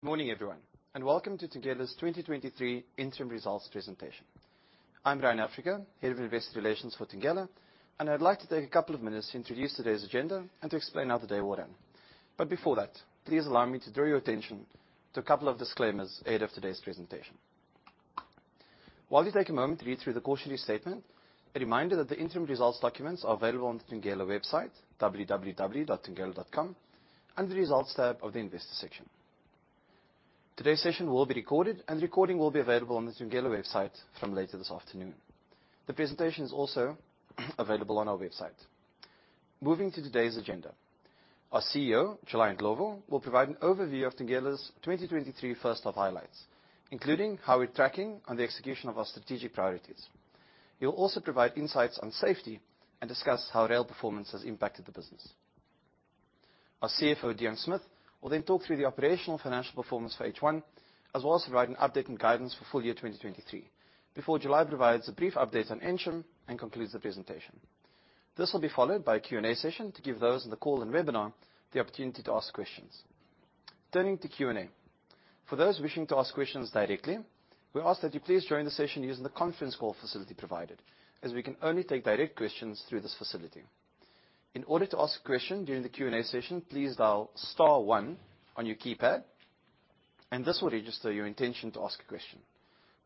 Good morning, everyone, welcome to Thungela's 2023 interim results presentation. I'm Ryan Africa, Head of Investor Relations for Thungela, and I'd like to take a couple of minutes to introduce today's agenda and to explain how the day will run. Before that, please allow me to draw your attention to a couple of disclaimers ahead of today's presentation. While you take a moment to read through the cautionary statement, a reminder that the interim results documents are available on the Thungela website, www.thungela.com, under the Results tab of the Investors section. Today's session will be recorded, and the recording will be available on the Thungela website from later this afternoon. The presentation is also available on our website. Moving to today's agenda. Our CEO, July Ndlovu, will provide an overview of Thungela's 2023 first half highlights, including how we're tracking on the execution of our strategic priorities. He will also provide insights on safety and discuss how rail performance has impacted the business. Our CFO, Deon Smith, will talk through the operational financial performance for H1, as well as provide an update and guidance for full-year 2023, before July provides a brief update on Ensham and concludes the presentation. This will be followed by a Q&A session to give those on the call and webinar the opportunity to ask questions. Turning to Q&A. For those wishing to ask questions directly, we ask that you please join the session using the conference call facility provided, as we can only take direct questions through this facility. In order to ask a question during the Q&A session, please dial star one on your keypad. This will register your intention to ask a question.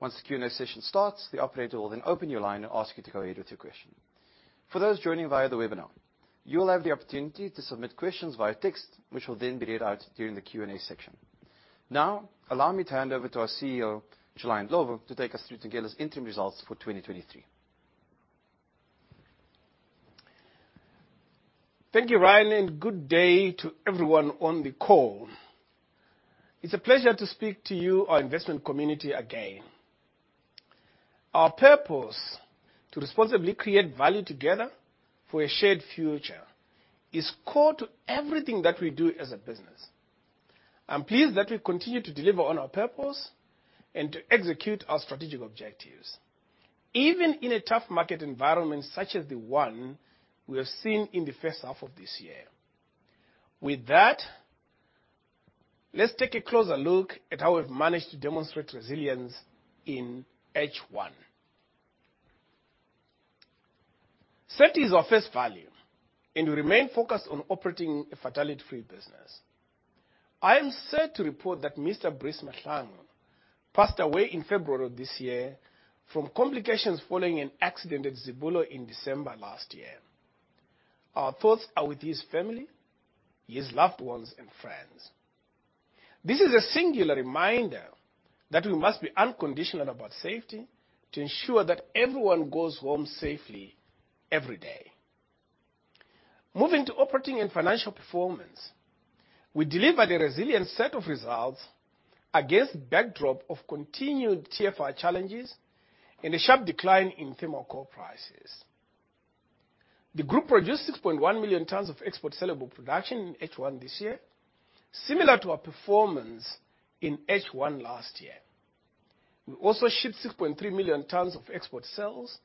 Once the Q&A session starts, the operator will then open your line and ask you to go ahead with your question. For those joining via the webinar, you will have the opportunity to submit questions via text, which will then be read out during the Q&A section. Allow me to hand over to our CEO, July Ndlovu, to take us through Thungela's interim results for 2023. Thank you, Ryan, and good day to everyone on the call. It's a pleasure to speak to you, our investment community, again. Our purpose, to responsibly create value together for a shared future, is core to everything that we do as a business. I'm pleased that we continue to deliver on our purpose and to execute our strategic objectives, even in a tough market environment such as the one we have seen in the first half of this year. With that, let's take a closer look at how we've managed to demonstrate resilience in H1. Safety is our first value, and we remain focused on operating a fatality-free business. I am sad to report that Mr. Breeze Mahlangu passed away in February of this year from complications following an accident at Zibulo in December last year. Our thoughts are with his family, his loved ones, and friends. This is a singular reminder that we must be unconditional about safety to ensure that everyone goes home safely every day. Moving to operating and financial performance, we delivered a resilient set of results against backdrop of continued TFR challenges and a sharp decline in thermal coal prices. The group produced 6.1 million tons of export sellable production in H1 this year, similar to our performance in H1 last year. We also shipped 6.3 million tons of export sales,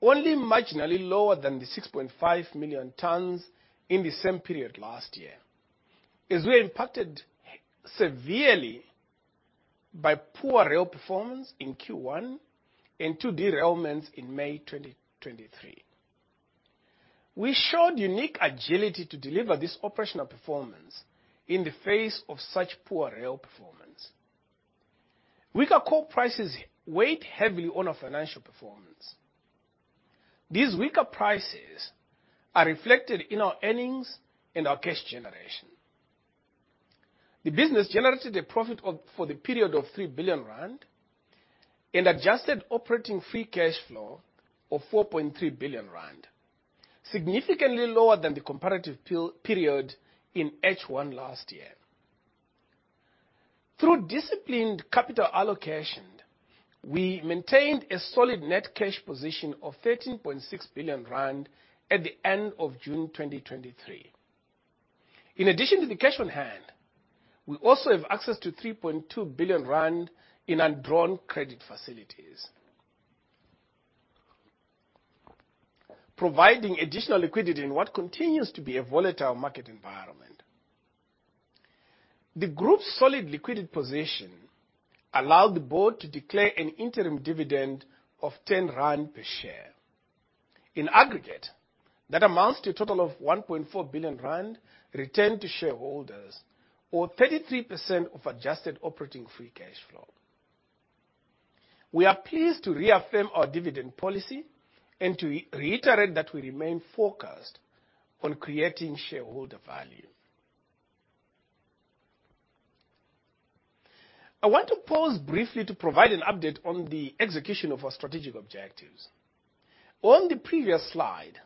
only marginally lower than the 6.5 million tons in the same period last year, as we were impacted severely by poor rail performance in Q1 and two derailments in May 2023. We showed unique agility to deliver this operational performance in the face of such poor rail performance. Weaker coal prices weighed heavily on our financial performance. These weaker prices are reflected in our earnings and our cash generation. The business generated a profit for the period of 3 billion rand and adjusted operating free cash flow of 4.3 billion rand, significantly lower than the comparative period in H1 last year. Through disciplined capital allocation, we maintained a solid net cash position of 13.6 billion rand at the end of June 2023. In addition to the cash on hand, we also have access to 3.2 billion rand in undrawn credit facilities, providing additional liquidity in what continues to be a volatile market environment. The group's solid liquidity position allowed the board to declare an interim dividend of 10 rand per share. In aggregate, that amounts to a total of 1.4 billion rand returned to shareholders, or 33% of adjusted operating free cash flow. We are pleased to reaffirm our dividend policy and to reiterate that we remain focused on creating shareholder value. I want to pause briefly to provide an update on the execution of our strategic objectives. On the previous slide,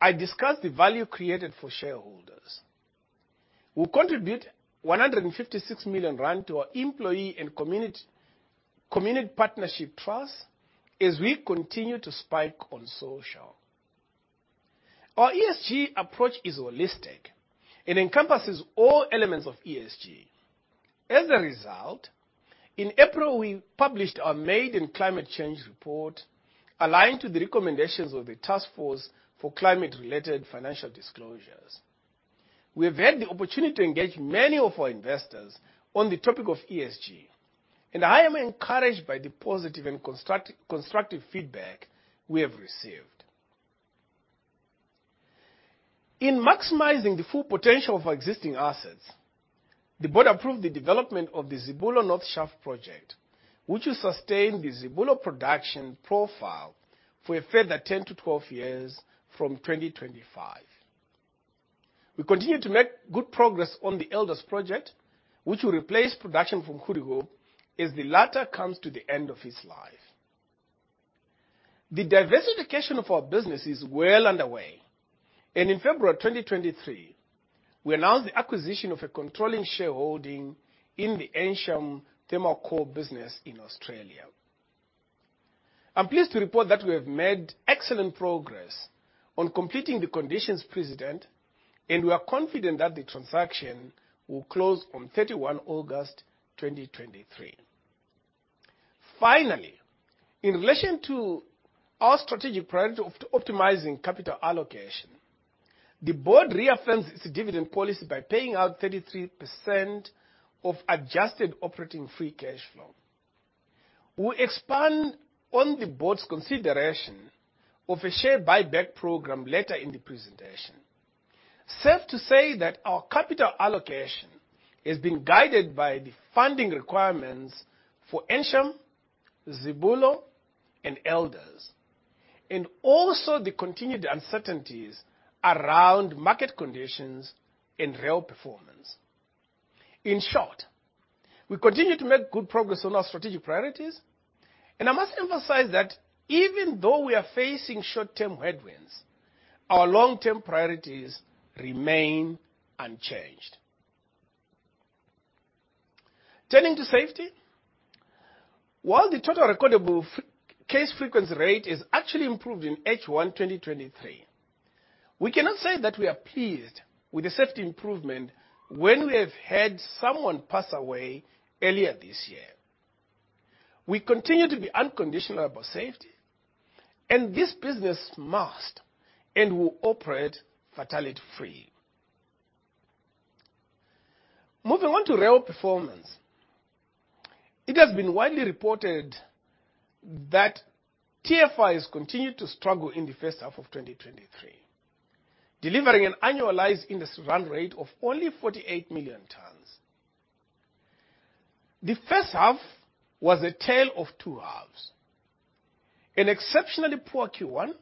I discussed the value created for shareholders. We'll contribute 156 million rand to our employee and community, Community Partnership Trust as we continue to spike on social. Our ESG approach is holistic and encompasses all elements of ESG. In April, we published our Maiden Climate Change Report, aligned to the recommendations of the Task Force on Climate-related Financial Disclosures. We have had the opportunity to engage many of our investors on the topic of ESG, and I am encouraged by the positive and constructive feedback we have received. In maximizing the full potential of our existing assets, the board approved the development of the Zibulo North Shaft project, which will sustain the Zibulo production profile for a further 10-12 years from 2025. We continue to make good progress on the Elders project, which will replace production from Goedehoop as the latter comes to the end of its life. The diversification of our business is well underway, and in February 2023, we announced the acquisition of a controlling shareholding in the Ensham Thermal Coal business in Australia. I'm pleased to report that we have made excellent progress on completing the conditions precedent, and we are confident that the transaction will close on August 31, 2023. Finally, in relation to our strategic priority of optimizing capital allocation, the board reaffirms its dividend policy by paying out 33% of adjusted operating free cash flow. We expand on the board's consideration of a share buyback program later in the presentation. Safe to say that our capital allocation has been guided by the funding requirements for Ensham, Zibulo, and Elders, and also the continued uncertainties around market conditions and rail performance. In short, we continue to make good progress on our strategic priorities, and I must emphasize that even though we are facing short-term headwinds, our long-term priorities remain unchanged. Turning to safety, while the total recordable case frequency rate has actually improved in H1 2023, we cannot say that we are pleased with the safety improvement when we have had someone pass away earlier this year. We continue to be unconditional about safety, and this business must and will operate fatality-free. Moving on to rail performance. It has been widely reported that TFIs continued to struggle in the first half of 2023, delivering an annualized industry run rate of only 48 million tonnes. The first half was a tale of two halves, an exceptionally poor Q1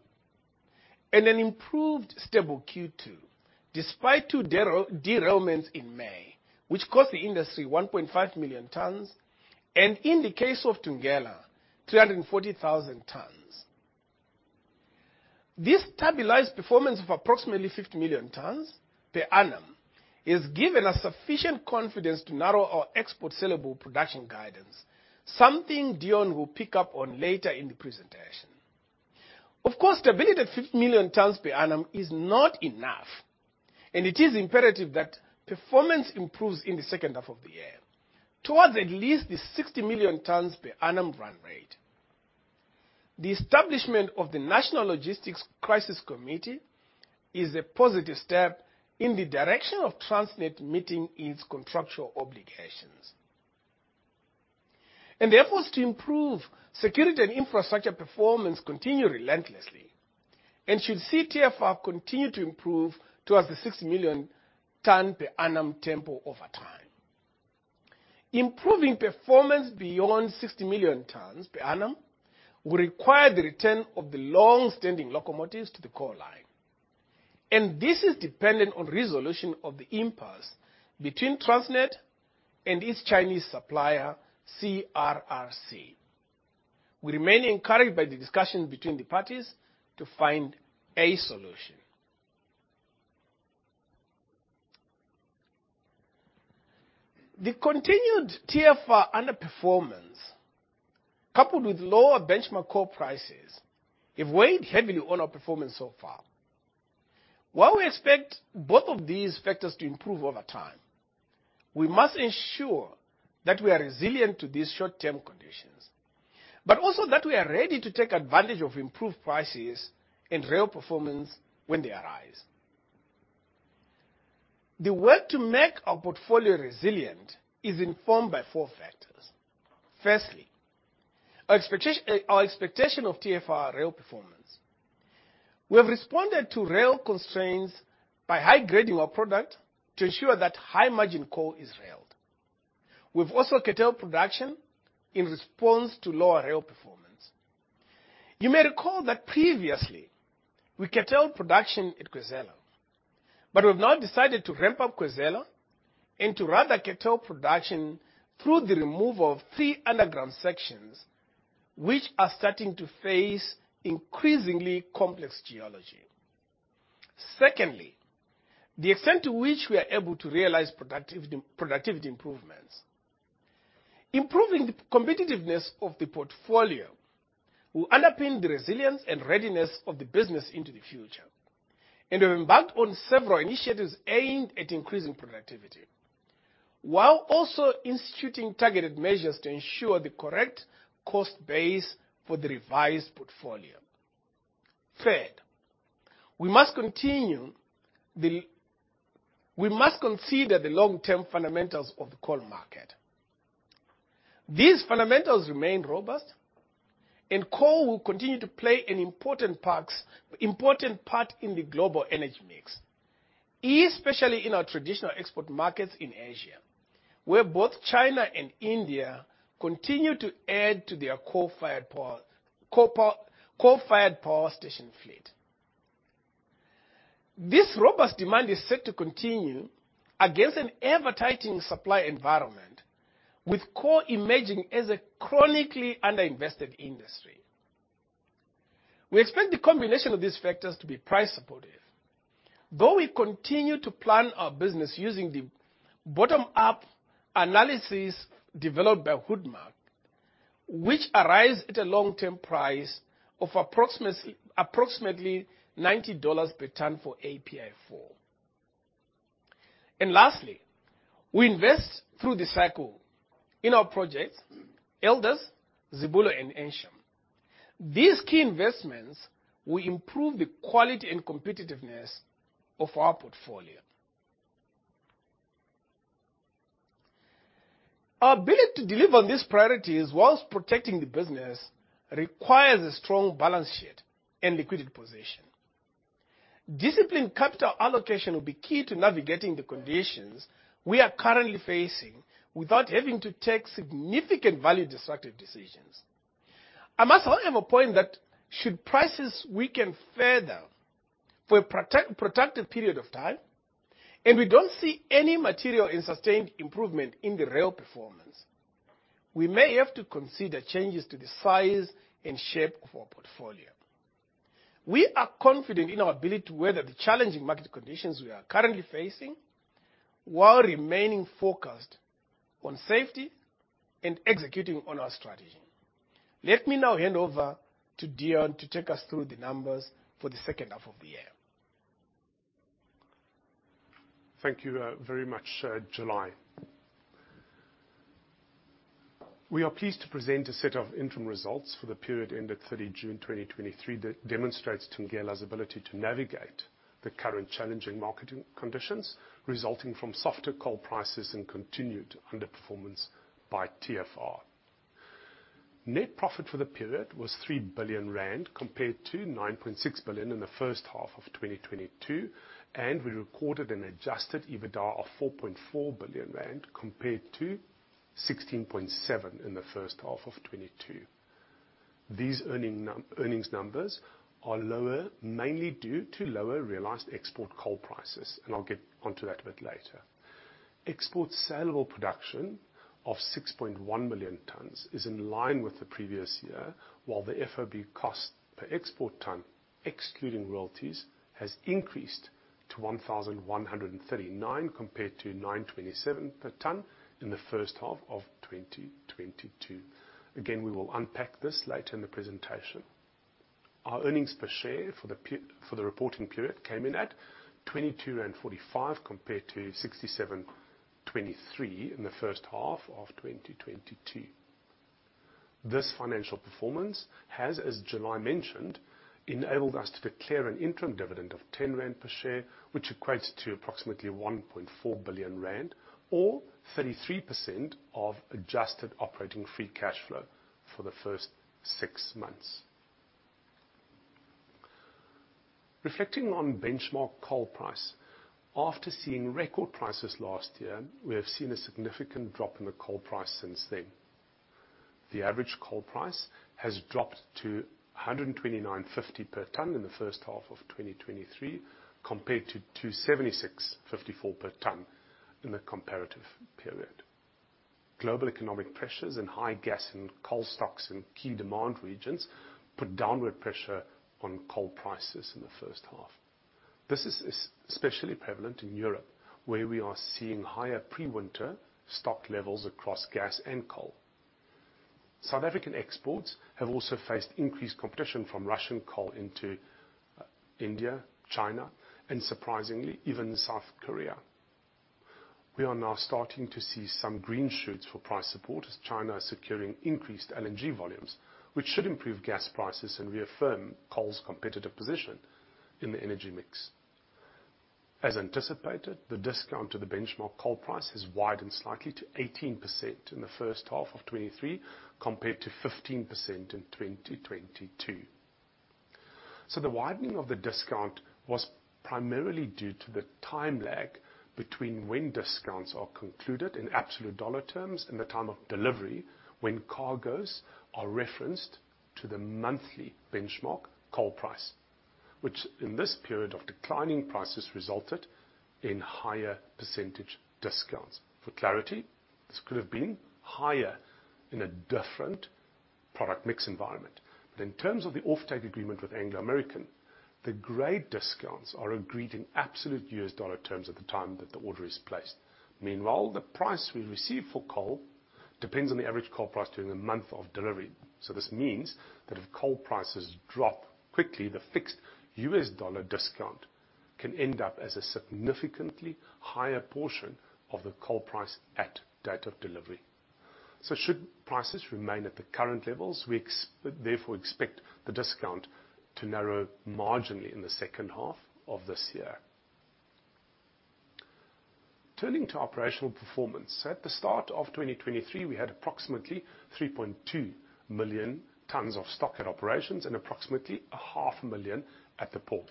and an improved, stable Q2, despite two derailments in May, which cost the industry 1.5 million tonnes, and in the case of Thungela, 340,000 tonnes. This stabilized performance of approximately 50 million tonnes per annum has given us sufficient confidence to narrow our export sellable production guidance, something Deon will pick up on later in the presentation. Of course, stability at 50 million tonnes per annum is not enough, and it is imperative that performance improves in the second half of the year towards at least the 60 million tonnes per annum run rate. The establishment of the National Logistics Crisis Committee is a positive step in the direction of Transnet meeting its contractual obligations. The efforts to improve security and infrastructure performance continue relentlessly, and should see TFR continue to improve towards the 60 million tonne per annum tempo over time. Improving performance beyond 60 million tonnes per annum will require the return of the long-standing locomotives to the coal mine, and this is dependent on resolution of the impasse between Transnet and its Chinese supplier, CRRC. We remain encouraged by the discussions between the parties to find a solution. The continued TFR underperformance, coupled with lower benchmark coal prices, have weighed heavily on our performance so far. While we expect both of these factors to improve over time, we must ensure that we are resilient to these short-term conditions, but also that we are ready to take advantage of improved prices and rail performance when they arise. The work to make our portfolio resilient is informed by four factors. Firstly, our expectation of TFR rail performance. We have responded to rail constraints by high-grading our product to ensure that high-margin coal is railed. We've also curtailed production in response to lower rail performance. You may recall that previously, we curtailed production at Khwezela, but we've now decided to ramp up Khwezela and to rather curtail production through the removal of three underground sections, which are starting to face increasingly complex geology. Secondly, the extent to which we are able to realize productivity improvements. Improving the competitiveness of the portfolio will underpin the resilience and readiness of the business into the future. We've embarked on several initiatives aimed at increasing productivity, while also instituting targeted measures to ensure the correct cost base for the revised portfolio. Third, we must continue, we must consider the long-term fundamentals of the coal market. These fundamentals remain robust, and coal will continue to play an important parts, important part in the global energy mix, especially in our traditional export markets in Asia, where both China and India continue to add to their coal-fired power, coal power, coal-fired power station fleet. This robust demand is set to continue against an ever-tightening supply environment, with coal emerging as a chronically underinvested industry. We expect the combination of these factors to be price supportive, though we continue to plan our business using the bottom-up analysis developed by WoodMac, which arrives at a long-term price of approximately $90 per ton for API 4. Lastly, we invest through the cycle in our projects, Elders, Zibulo, and Ensham. These key investments will improve the quality and competitiveness of our portfolio. Our ability to deliver on these priorities while protecting the business, requires a strong balance sheet and liquidity position. Disciplined capital allocation will be key to navigating the conditions we are currently facing, without having to take significant value-destructive decisions. I must, however, point that should prices weaken further for a protracted period of time, and we don't see any material and sustained improvement in the rail performance, we may have to consider changes to the size and shape of our portfolio. We are confident in our ability to weather the challenging market conditions we are currently facing, while remaining focused on safety and executing on our strategy. Let me now hand over to Deon to take us through the numbers for the second half of the year. Thank you very much, July. We are pleased to present a set of interim results for the period ending 30 June 2023, that demonstrates Thungela's ability to navigate the current challenging marketing conditions, resulting from softer coal prices and continued underperformance by TFR. Net profit for the period was 3 billion rand, compared to 9.6 billion in the first half of 2022. We recorded an adjusted EBITDA of 4.4 billion rand, compared to 16.7 billion in the first half of 2022. These earnings numbers are lower, mainly due to lower realized export coal prices. I'll get onto that a bit later. Export saleable production of 6.1 million tons is in line with the previous year, while the FOB cost per export ton, excluding royalties, has increased to 1,139, compared to 927 per ton in the first half of 2022. Again, we will unpack this later in the presentation. Our earnings per share for the reporting period came in at 22.45 rand, compared to 67.23 in the first half of 2022. This financial performance has, as July mentioned, enabled us to declare an interim dividend of 10 rand per share, which equates to approximately 1.4 billion rand or 33% of adjusted operating free cash flow for the first six months. Reflecting on benchmark coal price, after seeing record prices last year, we have seen a significant drop in the coal price since then. The average coal price has dropped to $129.50 per ton in H1 2023, compared to $276.54 per ton in the comparative period. Global economic pressures and high gas and coal stocks in key demand regions, put downward pressure on coal prices in H1. This is especially prevalent in Europe, where we are seeing higher pre-winter stock levels across gas and coal. South African exports have also faced increased competition from Russian coal into India, China, and surprisingly, even South Korea. We are now starting to see some green shoots for price support, as China is securing increased LNG volumes, which should improve gas prices and reaffirm coal's competitive position in the energy mix. As anticipated, the discount to the benchmark coal price has widened slightly to 18% in H1 2023, compared to 15% in 2022. The widening of the discount was primarily due to the time lag between when discounts are concluded in absolute dollar terms and the time of delivery, when cargoes are referenced to the monthly benchmark coal price, which in this period of declining prices, resulted in higher percentage discounts. For clarity, this could have been higher in a different product mix environment. In terms of the offtake agreement with Anglo American, the grade discounts are agreed in absolute U.S. dollar terms at the time that the order is placed. Meanwhile, the price we receive for coal-... depends on the average coal price during the month of delivery. This means that if coal prices drop quickly, the fixed U.S. dollar discount can end up as a significantly higher portion of the coal price at date of delivery. Should prices remain at the current levels, we therefore expect the discount to narrow marginally in the second half of this year. Turning to operational performance, at the start of 2023, we had approximately 3.2 million tons of stock at operations, and approximately 0.5 million at the port.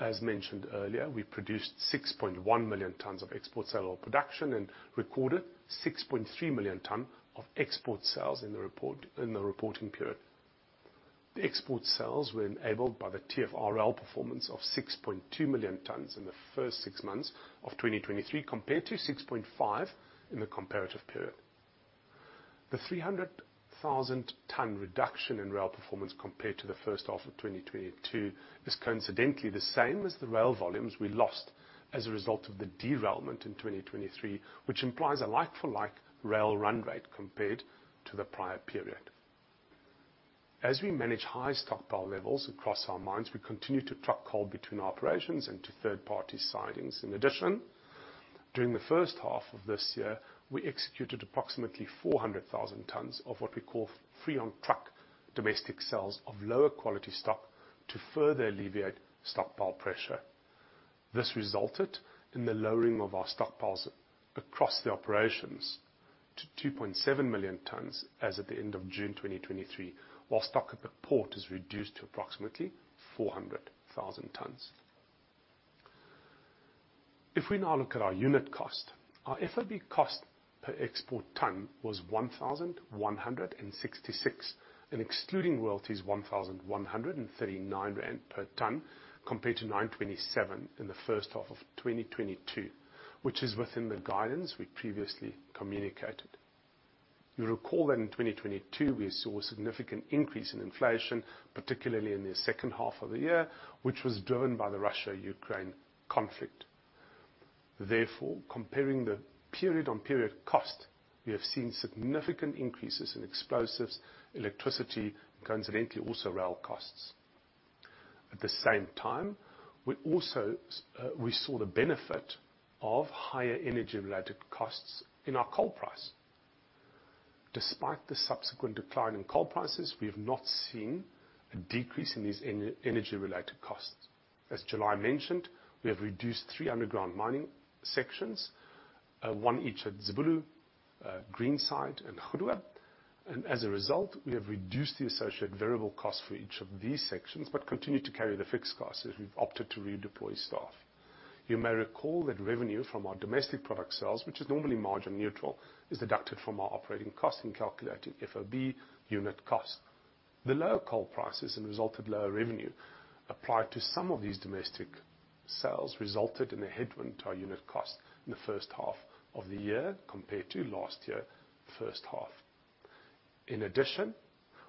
As mentioned earlier, we produced 6.1 million tons of export sale or production, and recorded 6.3 million ton of export sales in the reporting period. The export sales were enabled by the TFR performance of 6.2 million tons in the first six months of 2023, compared to 6.5 in the comparative period. The 300,000 ton reduction in rail performance compared to the first half of 2022 is coincidentally the same as the rail volumes we lost as a result of the derailment in 2023, which implies a like-for-like rail run rate compared to the prior period. As we manage high stockpile levels across our mines, we continue to truck coal between operations and to third-party sidings. In addition, during the first half of this year, we executed approximately 400,000 tons of what we call free-on-truck domestic sales of lower quality stock to further alleviate stockpile pressure. This resulted in the lowering of our stockpiles across the operations to 2.7 million tons as at the end of June 2023, while stock at the port is reduced to approximately 400,000 tons. If we now look at our unit cost, our FOB cost per export ton was 1,166, and excluding royalties, 1,139 rand per ton, compared to 927 in the first half of 2022, which is within the guidance we previously communicated. You'll recall that in 2022, we saw a significant increase in inflation, particularly in the second half of the year, which was driven by the Russia-Ukraine conflict. Comparing the period-on-period cost, we have seen significant increases in explosives, electricity, coincidentally, also rail costs. At the same time, we also, we saw the benefit of higher energy-related costs in our coal price. Despite the subsequent decline in coal prices, we have not seen a decrease in these energy-related costs. As July mentioned, we have reduced three underground mining sections, one each at Zibulo, Greenside, and Khwezela. As a result, we have reduced the associated variable costs for each of these sections, but continued to carry the fixed costs, as we've opted to redeploy staff. You may recall that revenue from our domestic product sales, which is normally margin neutral, is deducted from our operating costs in calculating FOB unit cost. The lower coal prices and resultant lower revenue applied to some of these domestic sales resulted in a headwind to our unit cost in the first half of the year, compared to last year, first half. In addition,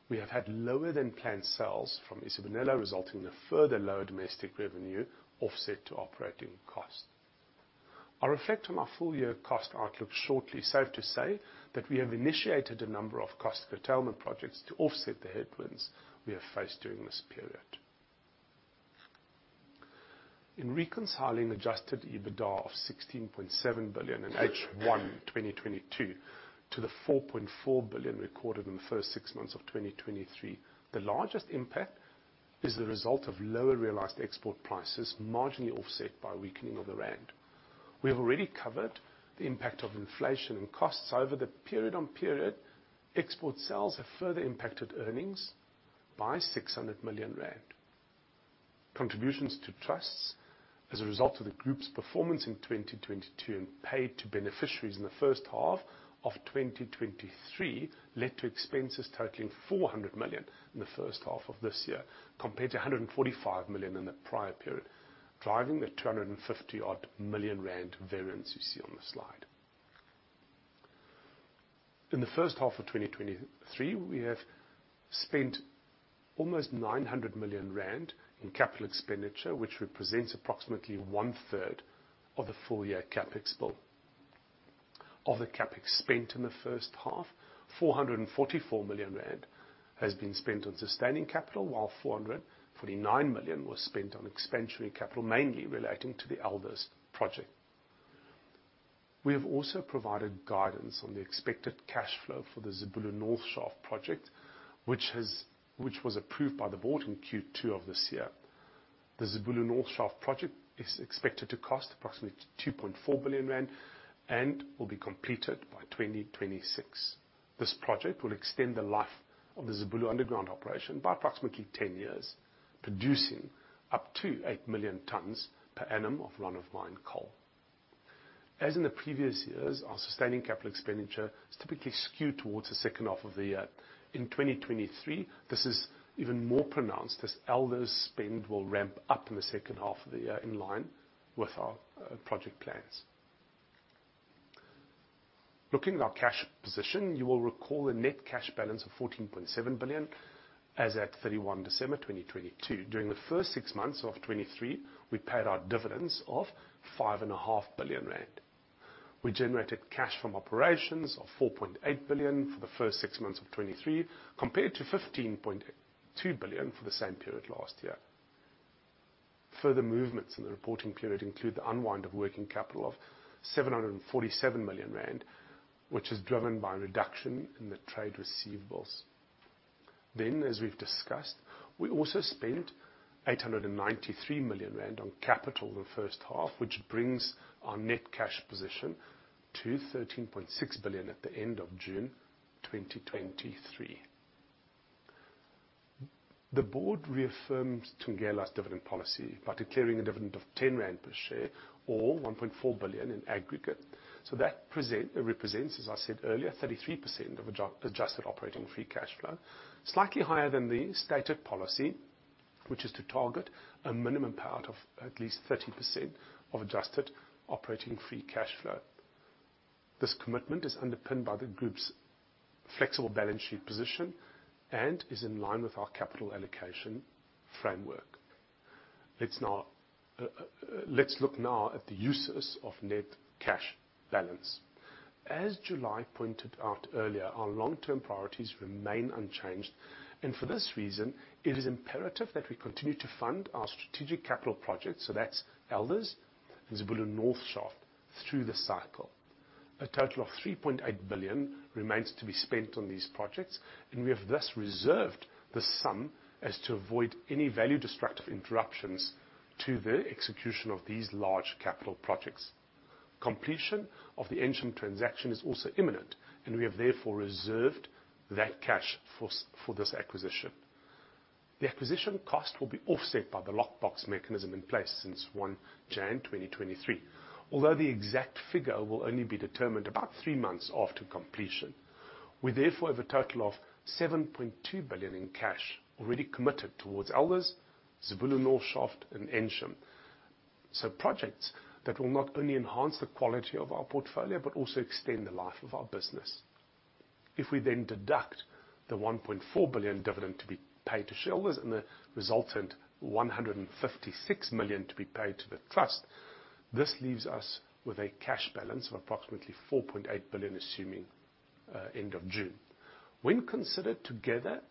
we have had lower-than-planned sales from Isibonelo, resulting in a further lower domestic revenue offset to operating costs. I'll reflect on our full-year cost outlook shortly. Safe to say that we have initiated a number of cost curtailment projects to offset the headwinds we have faced during this period. In reconciling adjusted EBITDA of 16.7 billion in H1 2022, to the 4.4 billion recorded in the first six months of 2023, the largest impact is the result of lower realized export prices, marginally offset by weakening of the rand. We have already covered the impact of inflation and costs over the period-on-period. Export sales have further impacted earnings by 600 million rand. Contributions to trusts as a result of the group's performance in 2022 and paid to beneficiaries in the first half of 2023, led to expenses totaling 400 million in the first half of this year, compared to 145 million in the prior period, driving the 250 odd million variance you see on the slide. In the first half of 2023, we have spent almost 900 million rand in capital expenditure, which represents approximately one-third of the full-year CapEx bill. Of the CapEx spent in the first half, 444 million rand has been spent on sustaining capital, while 449 million was spent on expansionary capital, mainly relating to the Elders project. We have also provided guidance on the expected cash flow for the Zibulo North Shaft project, which was approved by the board in Q2 of this year. The Zibulo North Shaft project is expected to cost approximately 2.4 billion rand and will be completed by 2026. This project will extend the life of the Zibulo underground operation by approximately 10 years, producing up to eight million tons per annum of run-of-mine coal. As in the previous years, our sustaining capital expenditure is typically skewed towards the second half of the year. In 2023, this is even more pronounced, as Elders' spend will ramp up in the second half of the year, in line with our project plans. Looking at our cash position, you will recall a net cash balance of 14.7 billion... as at 31 December 2022, during the first six months of 2023, we paid our dividends of 5.5 billion rand. We generated cash from operations of 4.8 billion for the first six months of 2023, compared to 15.2 billion for the same period last year. Further movements in the reporting period include the unwind of working capital of 747 million rand, which is driven by a reduction in the trade receivables. As we've discussed, we also spent 893 million rand on capital in the first half, which brings our net cash position to 13.6 billion at the end of June 2023. The board reaffirms Thungela's dividend policy by declaring a dividend of 10 rand per share, or 1.4 billion in aggregate. That represents, as I said earlier, 33% of adjusted operating free cash flow, slightly higher than the stated policy, which is to target a minimum payout of at least 30% of adjusted operating free cash flow. This commitment is underpinned by the group's flexible balance sheet position and is in line with our capital allocation framework. Let's look now at the uses of net cash balance. As July pointed out earlier, our long-term priorities remain unchanged. For this reason, it is imperative that we continue to fund our strategic capital projects, so that's Elders and Zibulo North Shaft, through the cycle. A total of 3.8 billion remains to be spent on these projects. We have thus reserved the sum as to avoid any value-destructive interruptions to the execution of these large capital projects. Completion of the Ensham transaction is also imminent, and we have therefore reserved that cash for this acquisition. The acquisition cost will be offset by the locked-box mechanism in place since 1 January 2023, although the exact figure will only be determined about three months after completion. We therefore have a total of 7.2 billion in cash already committed towards Elders, Zibulo North Shaft, and Ensham. Projects that will not only enhance the quality of our portfolio, but also extend the life of our business. If we then deduct the 1.4 billion dividend to be paid to shareholders and the resultant 156 million to be paid to the trust, this leaves us with a cash balance of approximately 4.8 billion, assuming end of June. When considered together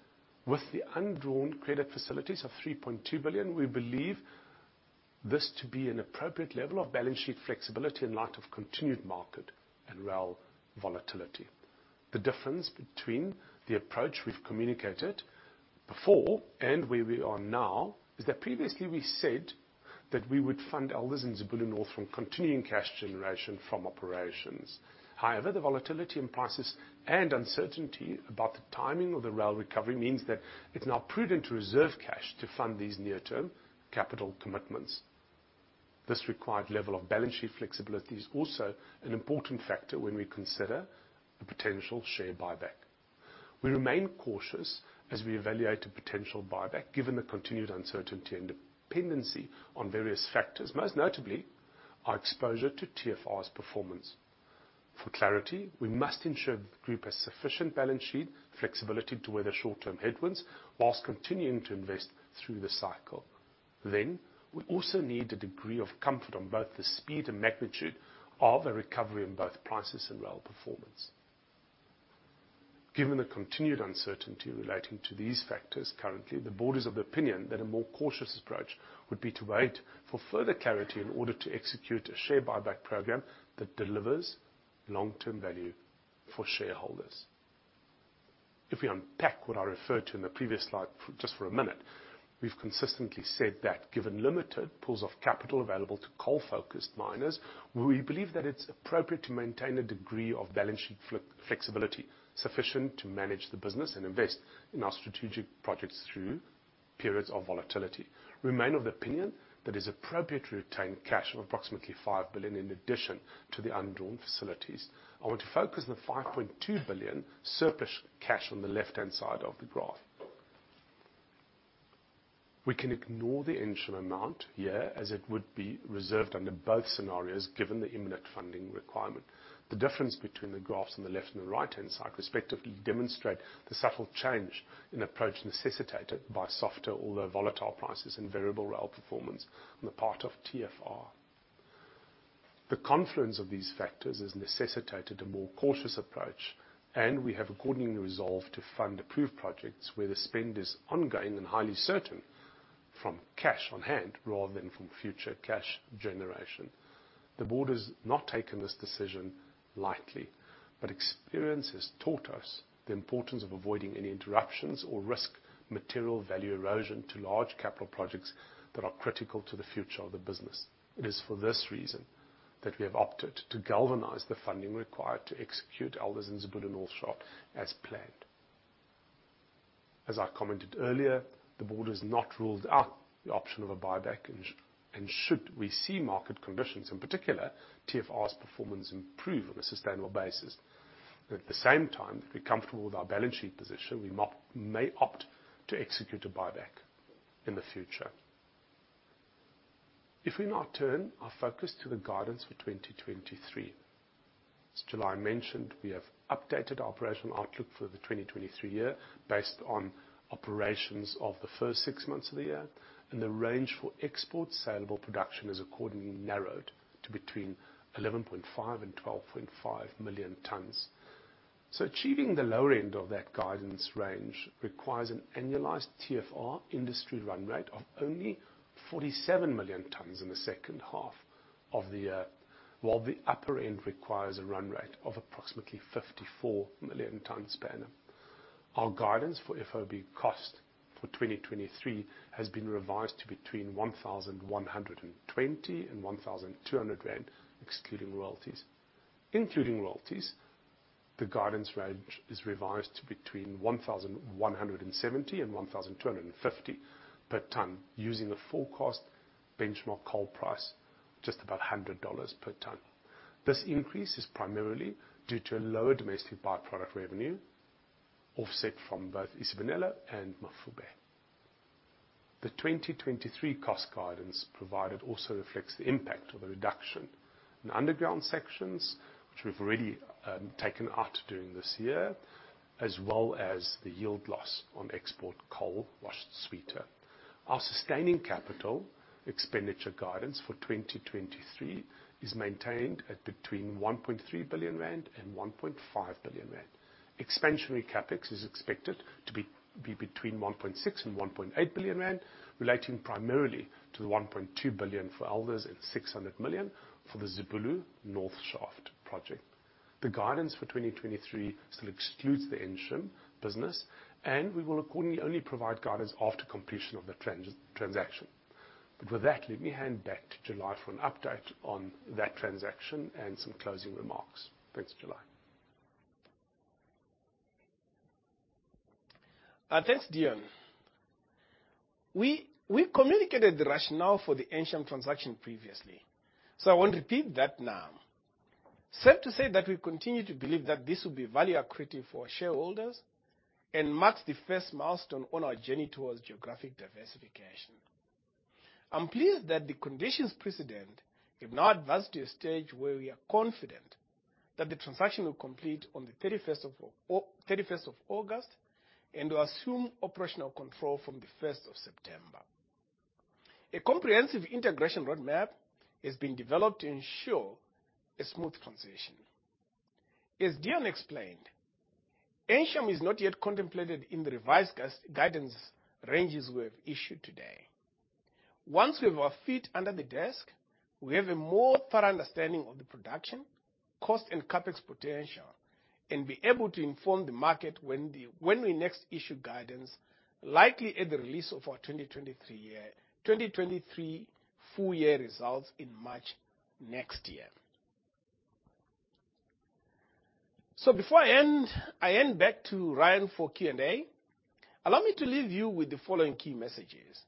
with the undrawn credit facilities of 3.2 billion, we believe this to be an appropriate level of balance sheet flexibility in light of continued market and rail volatility. The difference between the approach we've communicated before and where we are now, is that previously we said that we would fund Elders and Zibulo North from continuing cash generation from operations. However, the volatility in prices and uncertainty about the timing of the rail recovery means that it's now prudent to reserve cash to fund these near-term capital commitments. This required level of balance sheet flexibility is also an important factor when we consider the potential share buyback. We remain cautious as we evaluate a potential buyback, given the continued uncertainty and dependency on various factors, most notably our exposure to TFR's performance. For clarity, we must ensure the group has sufficient balance sheet flexibility to weather short-term headwinds while continuing to invest through the cycle. We also need a degree of comfort on both the speed and magnitude of a recovery in both prices and rail performance. Given the continued uncertainty relating to these factors currently, the board is of the opinion that a more cautious approach would be to wait for further clarity in order to execute a share buyback program that delivers long-term value for shareholders. If we unpack what I referred to in the previous slide for just for a minute, we've consistently said that given limited pools of capital available to coal-focused miners, we believe that it's appropriate to maintain a degree of balance sheet flexibility sufficient to manage the business and invest in our strategic projects through periods of volatility. We remain of the opinion that it's appropriate to retain cash of approximately 5 billion in addition to the undrawn facilities. I want to focus on the 5.2 billion surplus cash on the left-hand side of the graph. We can ignore the Ensham amount here, as it would be reserved under both scenarios, given the imminent funding requirement. The difference between the graphs on the left and the right-hand side respectively demonstrate the subtle change in approach necessitated by softer, although volatile, prices and variable rail performance on the part of TFR. The confluence of these factors has necessitated a more cautious approach, and we have accordingly resolved to fund approved projects where the spend is ongoing and highly certain from cash on hand rather than from future cash generation. The board has not taken this decision lightly, but experience has taught us the importance of avoiding any interruptions or risk material value erosion to large capital projects that are critical to the future of the business. It is for this reason that we have opted to galvanize the funding required to execute Elders and Zibulo North Shaft as planned. I commented earlier, the board has not ruled out the option of a buyback, and should we see market conditions, in particular, TFR's performance, improve on a sustainable basis. The same time, if we're comfortable with our balance sheet position, we may opt to execute a buyback in the future. We now turn our focus to the guidance for 2023. As July mentioned, we have updated our operational outlook for the 2023 year based on operations of the first six months of the year. The range for export saleable production is accordingly narrowed to between 11.5 and 12.5 million tons. Achieving the lower end of that guidance range requires an annualized TFR industry run rate of only 47 million tons in the second half of the year, while the upper end requires a run rate of approximately 54 million tons per annum. Our guidance for FOB cost for 2023 has been revised to between 1,120 and 1,200 rand, excluding royalties. Including royalties, the guidance range is revised to between 1,170 and 1,250 per tonne, using a full cost benchmark coal price, just about $100 per tonne. This increase is primarily due to a lower domestic by-product revenue, offset from both Khwezela and Mafube. The 2023 cost guidance provided also reflects the impact of the reduction in underground sections, which we've already taken out during this year, as well as the yield loss on export coal washed sweeter. Our sustaining capital expenditure guidance for 2023 is maintained at between 1.3 billion rand and 1.5 billion rand. Expansionary CapEx is expected to be between 1.6 billion and 1.8 billion rand, relating primarily to the 1.2 billion for Elders and 600 million for the Zibulo North Shaft project. The guidance for 2023 still excludes the Ensham business, and we will accordingly only provide guidance after completion of the transaction. With that, let me hand back to July for an update on that transaction and some closing remarks. Thanks, July. Thanks, Deon. We communicated the rationale for the Ensham transaction previously, so I won't repeat that now. Safe to say that we continue to believe that this will be value accretive for our shareholders and marks the 1st milestone on our journey towards geographic diversification. I'm pleased that the conditions precedent have now advanced to a stage where we are confident that the transaction will complete on the 31st of August, and will assume operational control from the 1st of September. A comprehensive integration roadmap has been developed to ensure a smooth transition. As Deon explained, Ensham is not yet contemplated in the revised guidance ranges we have issued today. Once we have our feet under the desk, we have a more thorough understanding of the production, cost, and CapEx potential, and be able to inform the market when we next issue guidance, likely at the release of our 2023 full-year results in March next year. Before I end, I hand back to Ryan for Q&A. Allow me to leave you with the following key messages: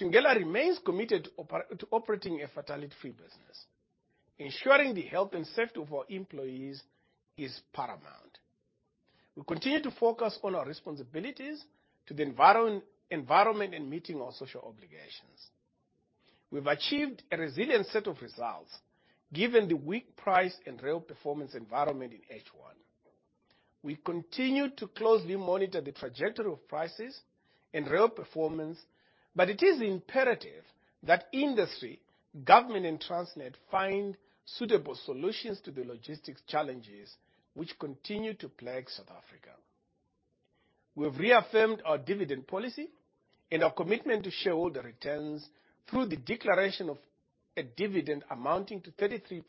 Thungela remains committed to operating a fatality-free business. Ensuring the health and safety of our employees is paramount. We continue to focus on our responsibilities to the environment and meeting our social obligations. We've achieved a resilient set of results, given the weak price and rail performance environment in H1. We continue to closely monitor the trajectory of prices and rail performance, but it is imperative that industry, government, and Transnet find suitable solutions to the logistics challenges which continue to plague South Africa. We have reaffirmed our dividend policy and our commitment to shareholder returns through the declaration of a dividend amounting to 33%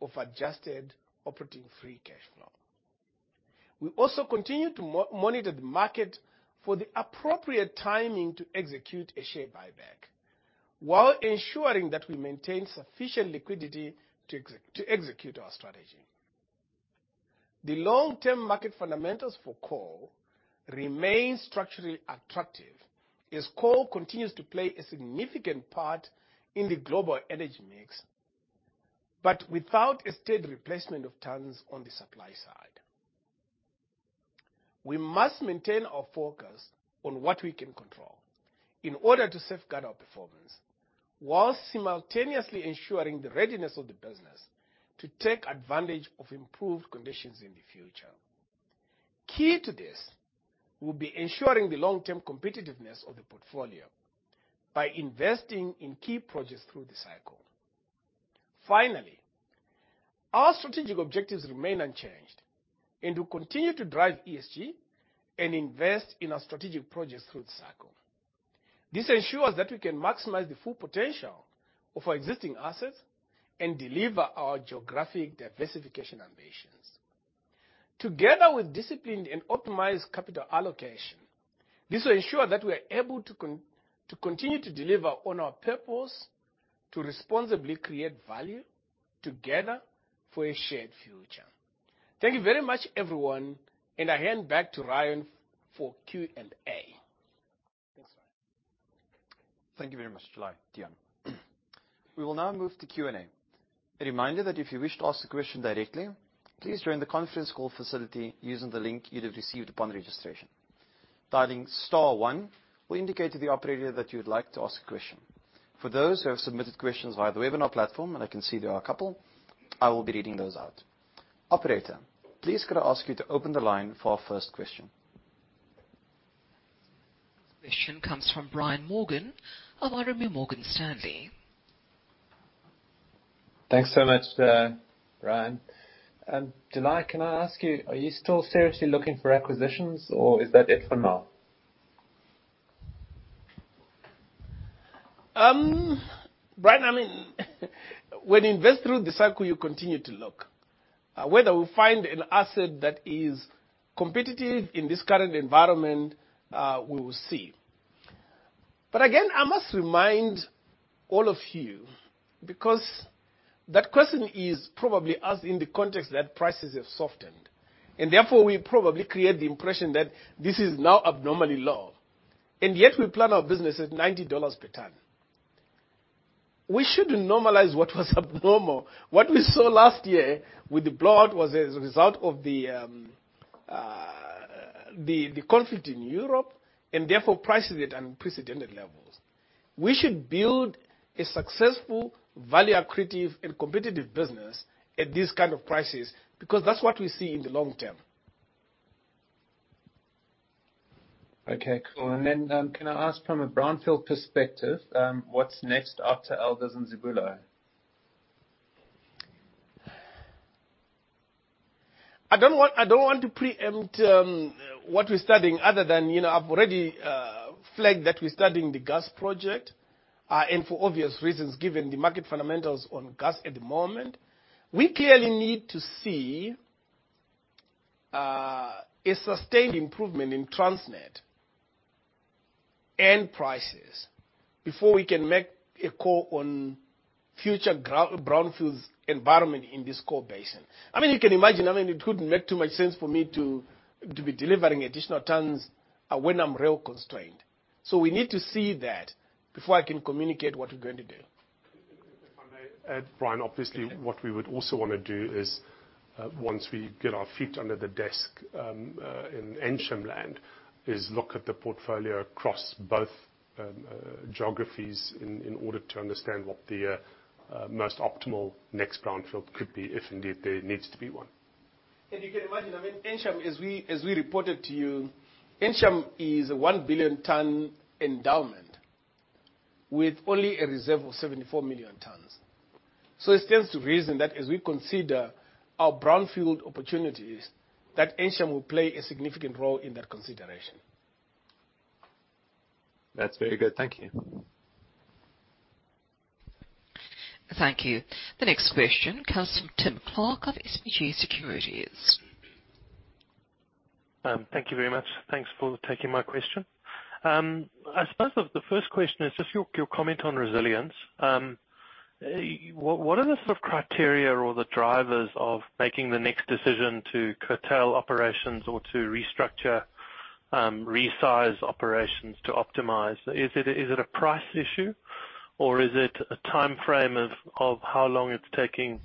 of adjusted operating free cash flow. We also continue to monitor the market for the appropriate timing to execute a share buyback, while ensuring that we maintain sufficient liquidity to execute our strategy. The long-term market fundamentals for coal remain structurally attractive, as coal continues to play a significant part in the global energy mix, but without a steady replacement of tons on the supply side. We must maintain our focus on what we can control in order to safeguard our performance, while simultaneously ensuring the readiness of the business to take advantage of improved conditions in the future. Key to this will be ensuring the long-term competitiveness of the portfolio by investing in key projects through the cycle. Finally, our strategic objectives remain unchanged, and we'll continue to drive ESG and invest in our strategic projects through the cycle. This ensures that we can maximize the full potential of our existing assets and deliver our geographic diversification ambitions. Together with disciplined and optimized capital allocation, this will ensure that we are able to continue to deliver on our purpose, to responsibly create value together for a shared future. Thank you very much, everyone, and I hand back to Ryan for Q&A. Thanks, Ryan. Thank you very much, July, Deon. We will now move to Q&A. A reminder that if you wish to ask a question directly, please join the conference call facility using the link you'd have received upon registration. Dialing star one will indicate to the operator that you would like to ask a question. For those who have submitted questions via the webinar platform, and I can see there are a couple, I will be reading those out. Operator, please could I ask you to open the line for our first question? Question comes from Brian Morgan of RMB Morgan Stanley. Thanks so much, Ryan. Deon, can I ask you, are you still seriously looking for acquisitions, or is that it for now? Brian, I mean, when you invest through the cycle, you continue to look. Whether we'll find an asset that is competitive in this current environment, we will see. Again, I must remind all of you, because that question is probably asked in the context that prices have softened, and therefore, we probably create the impression that this is now abnormally low, and yet we plan our business at $90 per ton. We shouldn't normalize what was abnormal. What we saw last year with the blowout was a result of the, the conflict in Europe, and therefore, prices at unprecedented levels. We should build a successful, value-accretive, and competitive business at this kind of prices, because that's what we see in the long term. Okay, cool. Can I ask from a brownfield perspective, what's next after Elders and Zibulo? I don't want, I don't want to preempt, what we're studying, other than, you know, I've already, flagged that we're studying the gas project. For obvious reasons, given the market fundamentals on gas at the moment, we clearly need to see, a sustained improvement in Transnet and prices before we can make a call on future brownfields environment in this core basin. I mean, you can imagine, I mean, it wouldn't make too much sense for me to be delivering additional tons, when I'm rail-constrained. So we need to see that before I can communicate what we're going to do. If I may add, Brian, obviously, what we would also wanna do is, once we get our feet under the desk, in Ensham land, is look at the portfolio across both geographies in order to understand what the most optimal next brownfield could be, if indeed there needs to be one. You can imagine, I mean, Ensham, as we, as we reported to you, Ensham is a one billion ton endowment with only a reserve of 74 million tons. It stands to reason that as we consider our brownfield opportunities, that Ensham will play a significant role in that consideration. That's very good. Thank you. Thank you. The next question comes from Tim Clark of SBG Securities. Thank you very much. Thanks for taking my question. I suppose the, the first question is just your, your comment on resilience. What, what are the sort of criteria or the drivers of making the next decision to curtail operations or to restructure, resize operations to optimize? Is it, is it a price issue, or is it a time frame of, of how long it's taking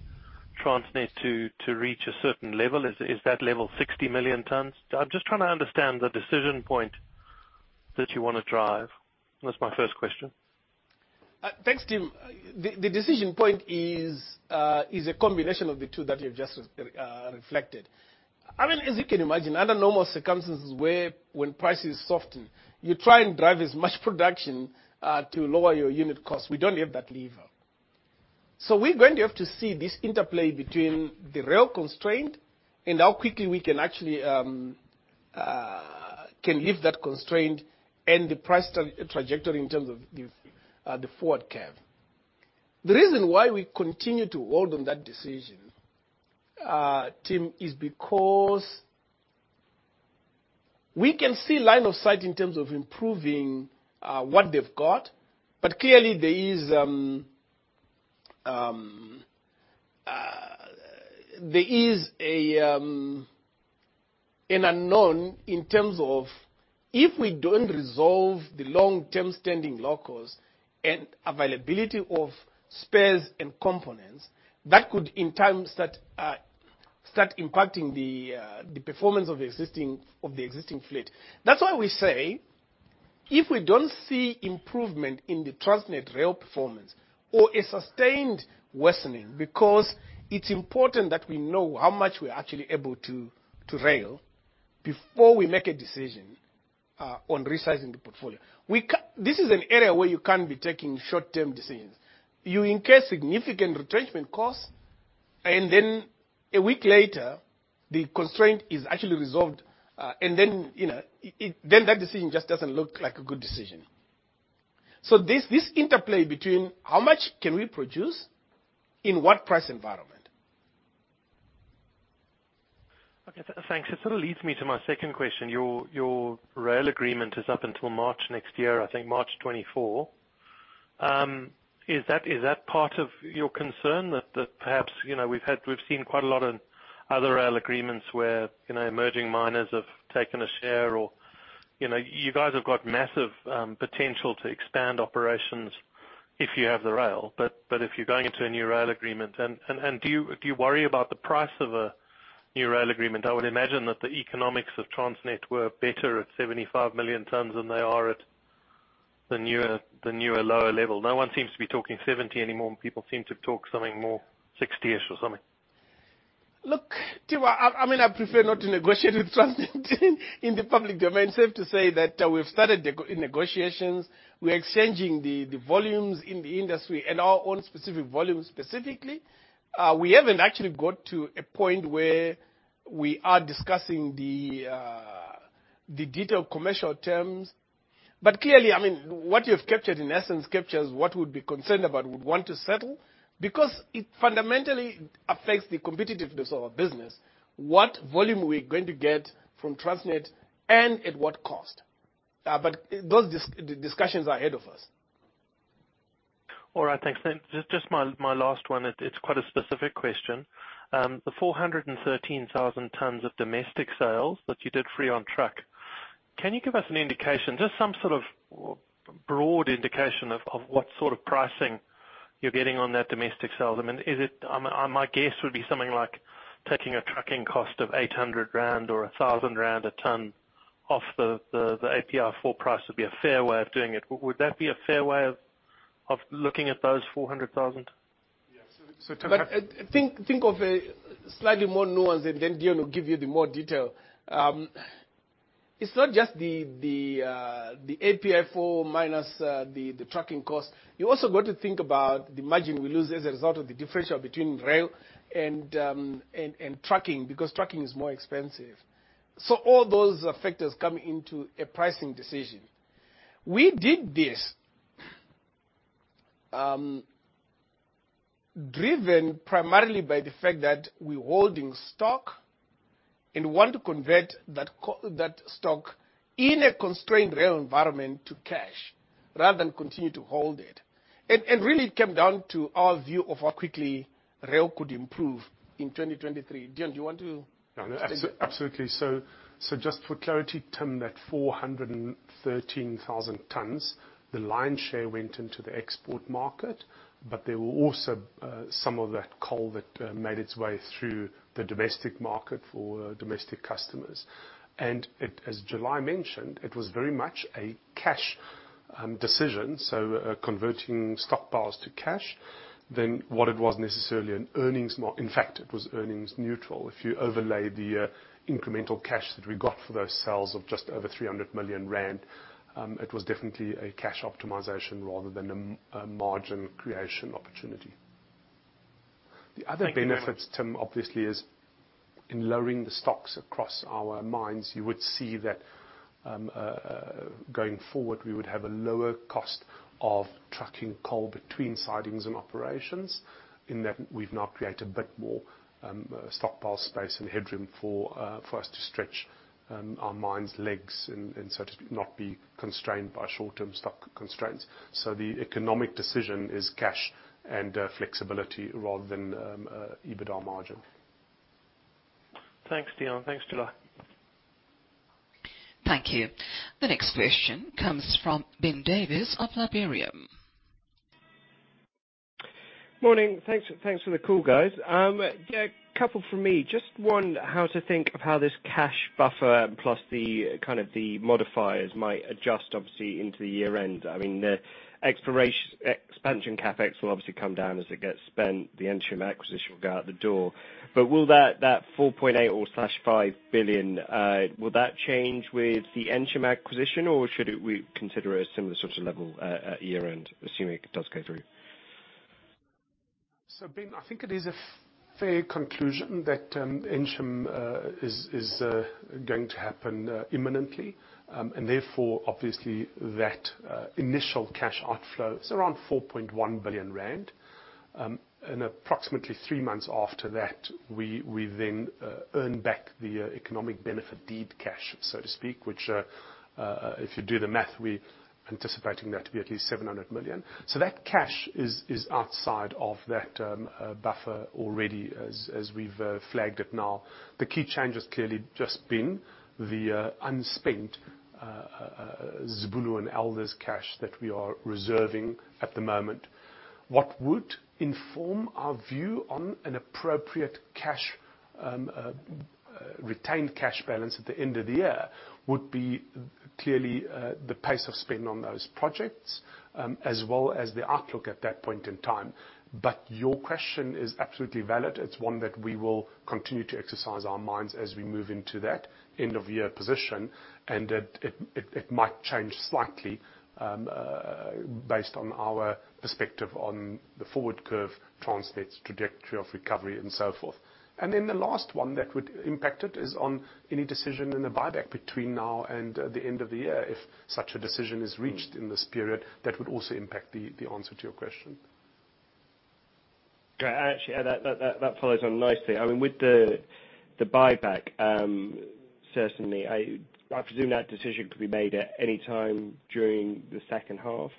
Transnet to, to reach a certain level? Is, is that level 60 million tons? I'm just trying to understand the decision point that you wanna drive. That's my first question. Thanks, Tim. The decision point is a combination of the two that you've just reflected. I mean, as you can imagine, under normal circumstances where when prices soften, you try and drive as much production to lower your unit cost. We don't have that lever. We're going to have to see this interplay between the rail constraint and how quickly we can actually can lift that constraint and the price trajectory in terms of the forward curve. The reason why we continue to hold on that decision, Tim, is because we can see line of sight in terms of improving what they've got, but clearly there is, there is a, an unknown in terms of if we don't resolve the long-term standing locals and availability of spares and components, that could, in time, start impacting the performance of the existing, of the existing fleet. That's why we say, if we don't see improvement in the Transnet rail performance or a sustained worsening, because it's important that we know how much we're actually able to, to rail before we make a decision, on resizing the portfolio. This is an area where you can't be taking short-term decisions. You incur significant retrenchment costs, and then a week later, the constraint is actually resolved, and then, you know, then that decision just doesn't look like a good decision. This, this interplay between how much can we produce in what price environment? Okay, thanks. It sort of leads me to my second question. Your rail agreement is up until March next year, I think March 2024. Is that part of your concern, that perhaps, you know, we've seen quite a lot of other rail agreements where, you know, emerging miners have taken a share or- You know, you guys have got massive potential to expand operations if you have the rail, but if you're going into a new rail agreement, and do you worry about the price of a new rail agreement? I would imagine that the economics of Transnet were better at 75 million tons than they are at the newer, lower level. No one seems to be talking 70 anymore. People seem to talk something more 60s or something. Look, Tim, I, I mean, I prefer not to negotiate with Transnet in the public domain. Safe to say that, we've started negotiations. We're exchanging the, the volumes in the industry and our own specific volumes specifically. We haven't actually got to a point where we are discussing the detailed commercial terms. Clearly, I mean, what you've captured, in essence, captures what we'd be concerned about, we'd want to settle. Because it fundamentally affects the competitiveness of our business, what volume we're going to get from Transnet and at what cost. Those discussions are ahead of us. All right. Thanks, Tim. Just my last one, it's quite a specific question. The 413,000 tons of domestic sales that you did free-on-truck, can you give us an indication, just some sort of broad indication of what sort of pricing you're getting on that domestic sales? I mean, is it... My guess would be something like taking a trucking cost of 800 rand or 1,000 rand a ton off the API 4 price would be a fair way of doing it. Would that be a fair way of looking at those 400,000? Yes. Think, think of a slightly more nuanced, and then Deon will give you the more detail. It's not just the, the API 4 minus, the trucking cost. You also got to think about the margin we lose as a result of the differential between rail and, and trucking, because trucking is more expensive. All those factors come into a pricing decision. We did this, driven primarily by the fact that we're holding stock and want to convert that co- that stock in a constrained rail environment to cash rather than continue to hold it. Really, it came down to our view of how quickly rail could improve in 2023. Deon, do you want to- No, no, absolutely. Just for clarity, Tim, that 413,000 tons, the lion's share went into the export market, but there were also, some of that coal that made its way through the domestic market for domestic customers. It, as July mentioned, it was very much a cash decision, so, converting stockpiles to cash, than what it was necessarily an earnings in fact, it was earnings neutral. If you overlay the incremental cash that we got for those sales of just over 300 million rand, it was definitely a cash optimization rather than a margin creation opportunity. Thank you very much. The other benefit, Tim, obviously, is in lowering the stocks across our mines, you would see that, going forward, we would have a lower cost of trucking coal between sidings and operations, in that we've now created a bit more stockpile space and headroom for us to stretch our mines' legs and, and so to not be constrained by short-term stock constraints. The economic decision is cash and flexibility rather than EBITDA margin. Thanks, Deon. Thanks, July. Thank you. The next question comes from Ben Davis of Liberum. Morning. Thanks, thanks for the call, guys. Yeah, a couple from me. Just one, how to think of how this cash buffer plus the kind of the modifiers might adjust, obviously, into the year end. I mean, the exploration, expansion CapEx will obviously come down as it gets spent. The Ensham acquisition will go out the door. Will that, that 4.8 billion or 5 billion, will that change with the Ensham acquisition, or should it, we consider a similar sort of level, at year end, assuming it does go through? Ben, I think it is a f- fair conclusion that Ensham is going to happen imminently. And therefore, obviously, that initial cash outflow is around 4.1 billion rand. And approximately three months after that, we then earn back the economic benefit, deed cash, so to speak, which, if you do the math, we're anticipating that to be at least 700 million. That cash is outside of that buffer already, as we've flagged it now. The key change has clearly just been the unspent Zibulo and Elders cash that we are reserving at the moment. What would inform our view on an appropriate cash, retained cash balance at the end of the year would be clearly, the pace of spend on those projects, as well as the outlook at that point in time. Your question is absolutely valid. It's one that we will continue to exercise our minds as we move into that end-of-year position, and it, it, it might change slightly, based on our perspective on the forward curve, Transnet's trajectory of recovery and so forth. Then the last one that would impact it is on any decision in the buyback between now and, the end of the year. If such a decision is reached in this period, that would also impact the, the answer to your question. Yeah, actually, that, that, that follows on nicely. I mean, with the, the buyback, certainly, I, I presume that decision could be made at any time during the second half.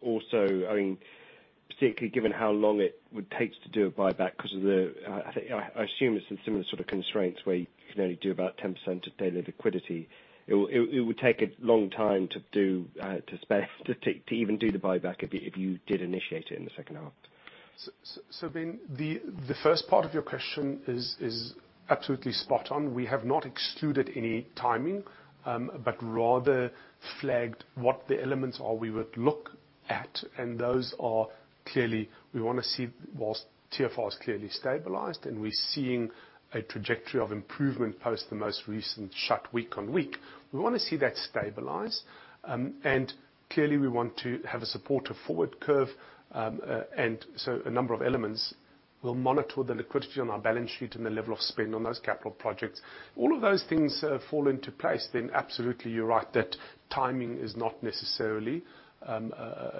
Also, I mean, particularly given how long it would take to do a buyback, because of the, I, I assume it's a similar sort of constraints, where you can only do about 10% of daily liquidity. It would, it would take a long time to do, to spend, to, to even do the buyback if you, if you did initiate it in the second half. The first part of your question is, is absolutely spot on. We have not excluded any timing, but rather flagged what the elements are we would look at. Those are clearly, we wanna see, whilst TFR is clearly stabilized and we're seeing a trajectory of improvement post the most recent shut week on week. We wanna see that stabilize. Clearly, we want to have a supportive forward curve. A number of elements. We'll monitor the liquidity on our balance sheet and the level of spend on those capital projects. All of those things fall into place, then absolutely you're right, that timing is not necessarily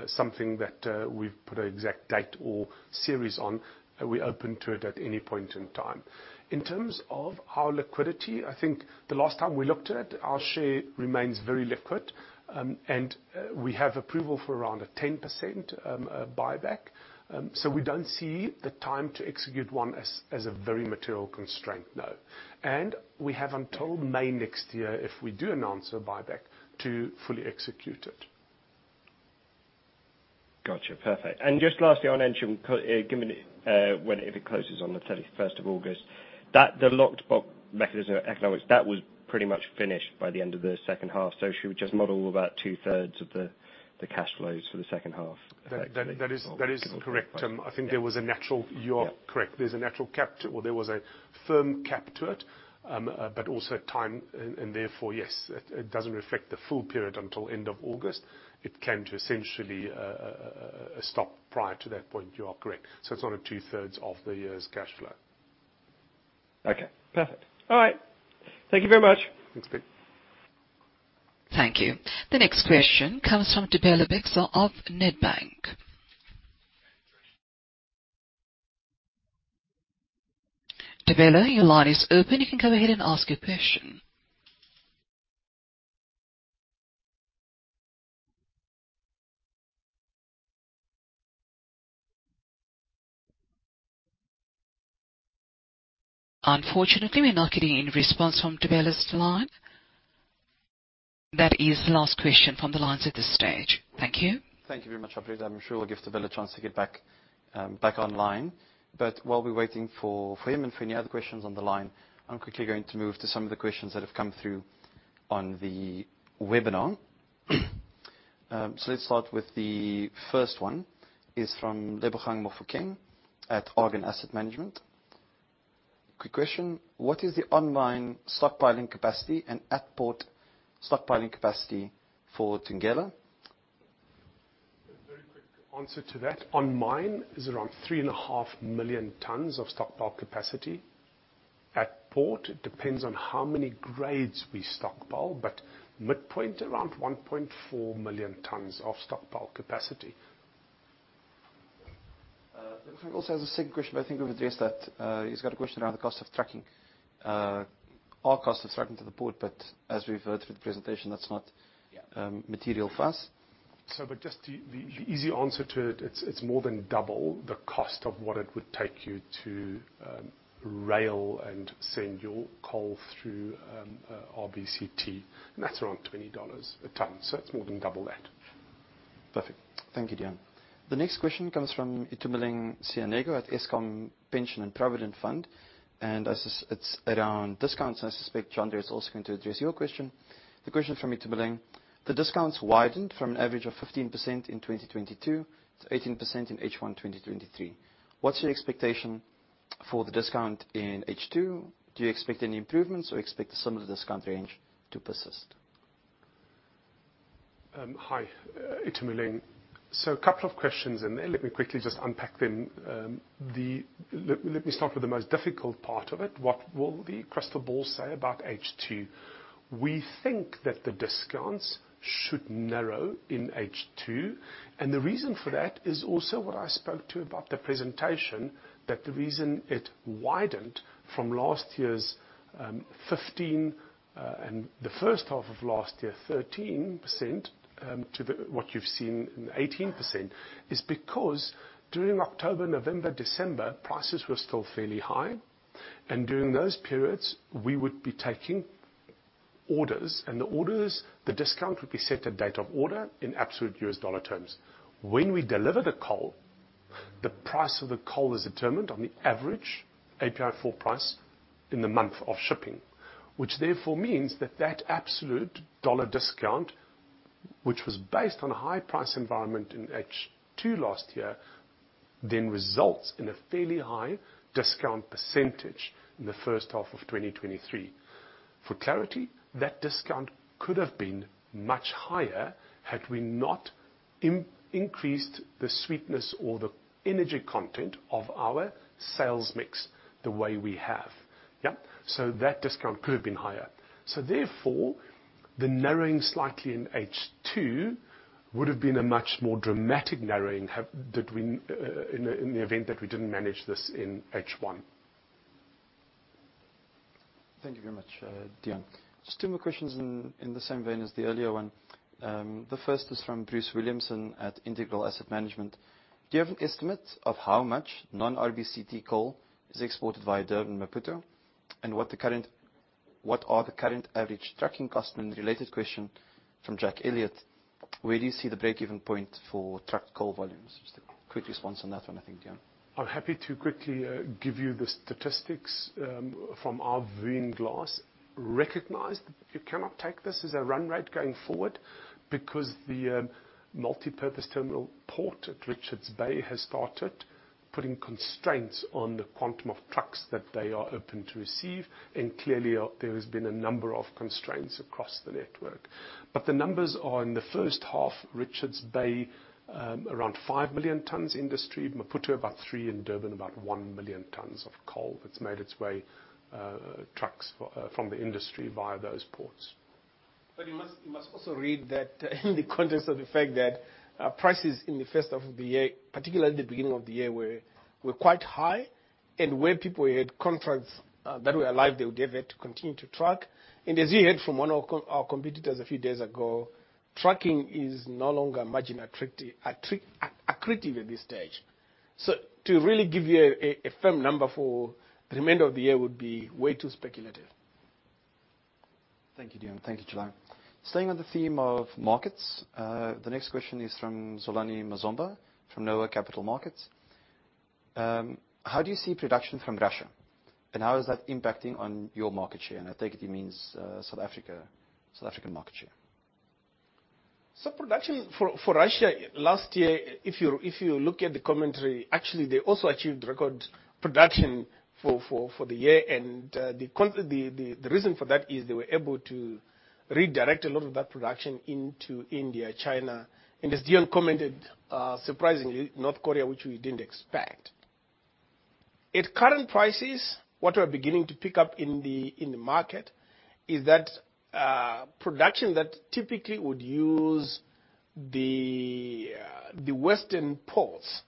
something that we've put an exact date or series on. We're open to it at any point in time. In terms of our liquidity, I think the last time we looked at it, our share remains very liquid, and we have approval for around a 10% buyback. We don't see the time to execute one as a very material constraint, no. We have until May next year, if we do announce a buyback, to fully execute it. Gotcha. Perfect. Just lastly, on Ensham, given, when, if it closes on the 31st of August, that, the locked-box mechanism of economics, that was pretty much finished by the end of the second half. Should we just model about 2/3 of the cash flows for the second half effectively? That, that is, that is correct. I think there was a natural... You are correct. Yeah. There's a natural cap to it, or there was a firm cap to it, also a time, therefore, yes, it, it doesn't reflect the full period until end of August. It came to essentially, a stop prior to that point. You are correct. It's only 2/3 of the year's cash flow. Okay, perfect. All right. Thank you very much. Thanks, Ben. Thank you. The next question comes from Thobela Bixa of Nedbank. Thobela, your line is open, you can go ahead and ask your question. Unfortunately, we're not getting any response from Thobela's line. That is the last question from the lines at this stage. Thank you. Thank you very much, operator. I'm sure we'll give Thobela a chance to get back, back online. While we're waiting for, for him and for any other questions on the line, I'm quickly going to move to some of the questions that have come through on the webinar. Let's start with the first one, is from Lebohang Mofokeng at Argon Asset Management. Quick question: What is the online stockpiling capacity and at-port stockpiling capacity for Thungela? A very quick answer to that. On mine is around 3.5 million tons of stockpile capacity. At port, it depends on how many grades we stockpile, but midpoint, around 1.4 million tons of stockpile capacity. Lebohang also has a second question, but I think we've addressed that. He's got a question around the cost of trucking. Our cost of trucking to the port, but as we've heard through the presentation, that's not- Yeah... material for us. The easy answer to it, it's, it's more than double the cost of what it would take you to rail and send your coal through RBCT, and that's around $20 a ton, so it's more than double that. Perfect. Thank you, Deon. The next question comes from Itumeleng Seanego at Eskom Pension and Provident Fund. As it's around discounts, I suspect, Deon, this is also going to address your question. The question from Itumeleng: The discounts widened from an average of 15% in 2022 to 18% in H1 2023. What's your expectation for the discount in H2? Do you expect any improvements or expect a similar discount range to persist? Hi, Itumeleng. A couple of questions in there. Let me quickly just unpack them. Let me start with the most difficult part of it. What will the crystal ball say about H2? We think that the discounts should narrow in H2, and the reason for that is also what I spoke to about the presentation, that the reason it widened from last year's 15%, and the first half of last year, 13%, to the, what you've seen, 18%, is because during October, November, December, prices were still fairly high, and during those periods, we would be taking orders, and the orders, the discount would be set at date of order in absolute U.S. dollar terms. When we deliver the coal, the price of the coal is determined on the average API 4 price in the month of shipping. Which therefore means that that absolute dollar discount, which was based on a high price environment in H2 last year, then results in a fairly high discount percentage in the first half of 2023. For clarity, that discount could have been much higher had we not increased the sweetness or the energy content of our sales mix the way we have. Yeah, that discount could have been higher. Therefore, the narrowing slightly in H2 would've been a much more dramatic narrowing, did we, in the event that we didn't manage this in H1.... Thank you very much, Deon. Just two more questions in the same vein as the earlier one. The first is from Bruce Williamson at Integral Asset Management. Do you have an estimate of how much non-RBCT coal is exported via Durban and Maputo, and what are the current average trucking costs? A related question from Jack Elliott: Where do you see the break-even point for truck coal volumes? Just a quick response on that one, I think, Deon. I'm happy to quickly give you the statistics from our viewing glass. Recognize that you cannot take this as a run rate going forward, because the multipurpose terminal port at Richards Bay has started putting constraints on the quantum of trucks that they are open to receive, and clearly, there has been a number of constraints across the network. The numbers are, in the first half, Richards Bay, around five million tons industry, Maputo about three million tons, and Durban about one million tons of coal that's made its way, trucks, from the industry via those ports. You must, you must also read that in the context of the fact that prices in the first half of the year, particularly at the beginning of the year, were quite high, and where people had contracts that were alive, they would have had to continue to truck. As you heard from one of our competitors a few days ago, trucking is no longer margin accretive at this stage. To really give you a firm number for the remainder of the year would be way too speculative. Thank you, Deon. Thank you, July. Staying on the theme of markets, the next question is from Xolani Mazomba, from Noah Capital Markets. How do you see production from Russia, and how is that impacting on your market share? I take it he means, South Africa, South African market share. Production for, for Russia last year, if you, if you look at the commentary, actually, they also achieved record production for, for, for the year. The, the, the reason for that is they were able to redirect a lot of that production into India, China, and as Deon commented, surprisingly, North Korea, which we didn't expect. At current prices, what we're beginning to pick up in the, in the market is that production that typically would use the western ports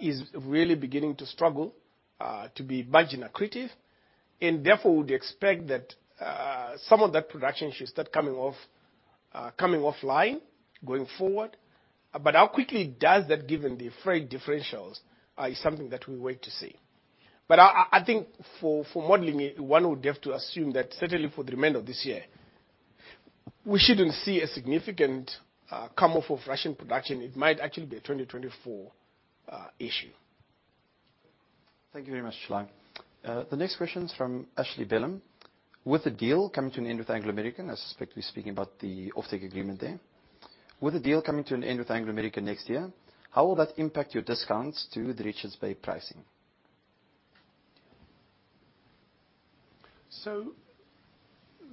is really beginning to struggle to be margin accretive, and therefore, would expect that some of that production should start coming off, coming offline, going forward. How quickly does that, given the freight differentials, is something that we wait to see. I think for modeling it, one would have to assume that certainly for the remainder of this year, we shouldn't see a significant come off of Russian production. It might actually be a 2024 issue. Thank you very much, July. The next question is from Ashley Bellum: With the deal coming to an end with Anglo American, I suspect we're speaking about the offtake agreement there. With the deal coming to an end with Anglo American next year, how will that impact your discounts to the Richards Bay pricing?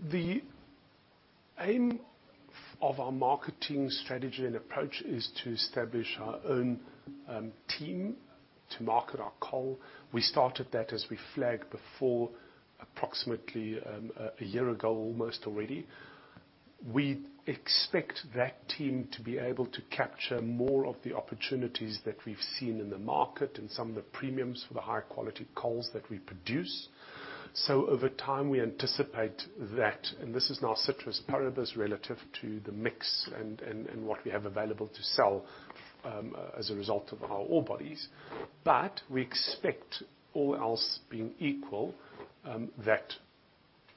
The aim of our marketing strategy and approach is to establish our own team to market our coal. We started that, as we flagged before, approximately one year ago, almost already. We expect that team to be able to capture more of the opportunities that we've seen in the market and some of the premiums for the high-quality coals that we produce. Over time, we anticipate that, and this is now ceteris paribus relative to the mix and what we have available to sell as a result of our ore bodies. We expect, all else being equal, that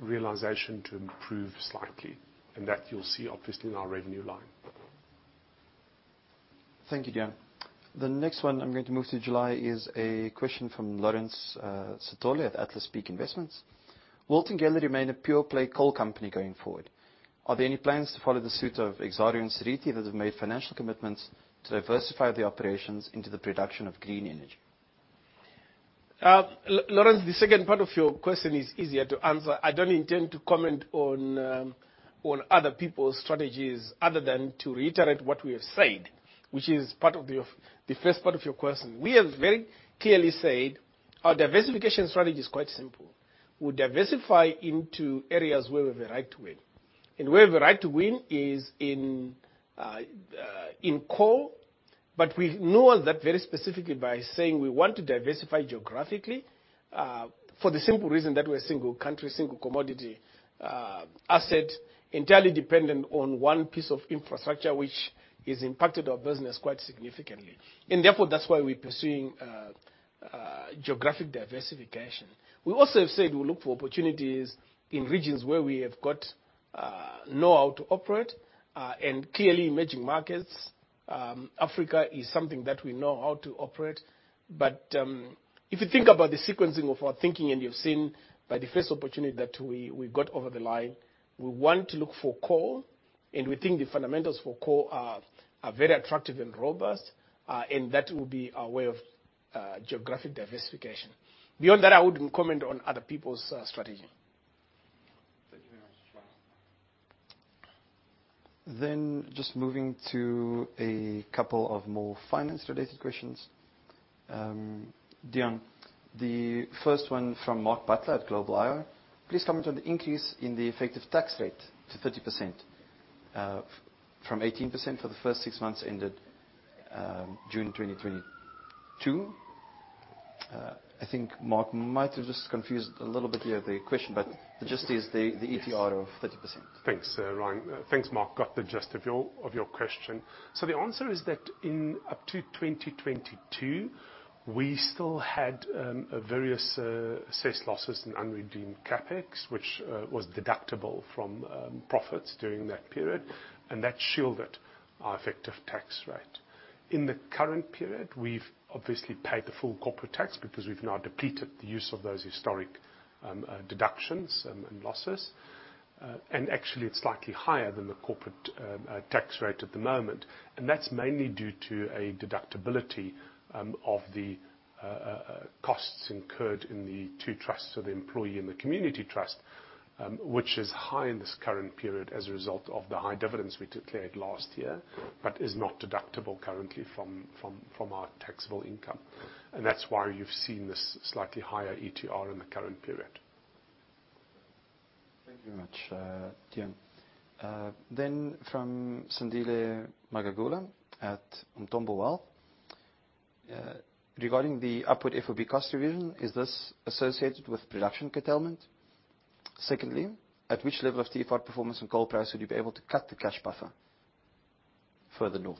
realization to improve slightly, and that you'll see obviously in our revenue line. Thank you, Deon. The next one I'm going to move to July is a question from Laurence Sithole at Atlas Peak Investments. Will Thungela remain a pure-play coal company going forward? Are there any plans to follow the suit of Exxaro and Seriti, that have made financial commitments to diversify their operations into the production of green energy? Laurence, the second part of your question is easier to answer. I don't intend to comment on other people's strategies, other than to reiterate what we have said, which is part of the first part of your question. We have very clearly said our diversification strategy is quite simple. We diversify into areas where we have a right to win, and where we have a right to win is in coal. We nuance that very specifically by saying we want to diversify geographically for the simple reason that we're a single country, single commodity asset, entirely dependent on one piece of infrastructure, which has impacted our business quite significantly. Therefore, that's why we're pursuing geographic diversification. We also have said we'll look for opportunities in regions where we have got know how to operate and clearly emerging markets. Africa is something that we know how to operate, but if you think about the sequencing of our thinking, and you've seen by the first opportunity that we got over the line, we want to look for coal, and we think the fundamentals for coal are very attractive and robust, and that will be our way of geographic diversification. Beyond that, I wouldn't comment on other people's strategy. Thank you very much, July. Just moving to a couple of more finance-related questions. Deon, the first one from Mark Butler at Global IR: Please comment on the increase in the effective tax rate to 30% from 18% for the first six months ended June 2023. I think Mark might have just confused a little bit here the question, but the gist is the ETR of 30%. Thanks, Ryan. Thanks, Mark. Got the gist of your, of your question. The answer is that in up to 2022, we still had various assessed losses in unredeemed CapEx, which was deductible from profits during that period, and that shielded our effective tax rate. In the current period, we've obviously paid the full corporate tax because we've now depleted the use of those historic deductions and losses. Actually, it's slightly higher than the corporate tax rate at the moment, and that's mainly due to a deductibility of the costs incurred in the two trusts, so the employee and the community trust, which is high in this current period as a result of the high dividends we declared last year, but is not deductible currently from, from, from our taxable income. That's why you've seen this slightly higher ETR in the current period. Thank you very much, Deon. From Sandile Magagula at Umthombo Wealth. Regarding the upward FOB cost revision, is this associated with production curtailment? Secondly, at which level of TFR performance and coal price would you be able to cut the cash buffer further north?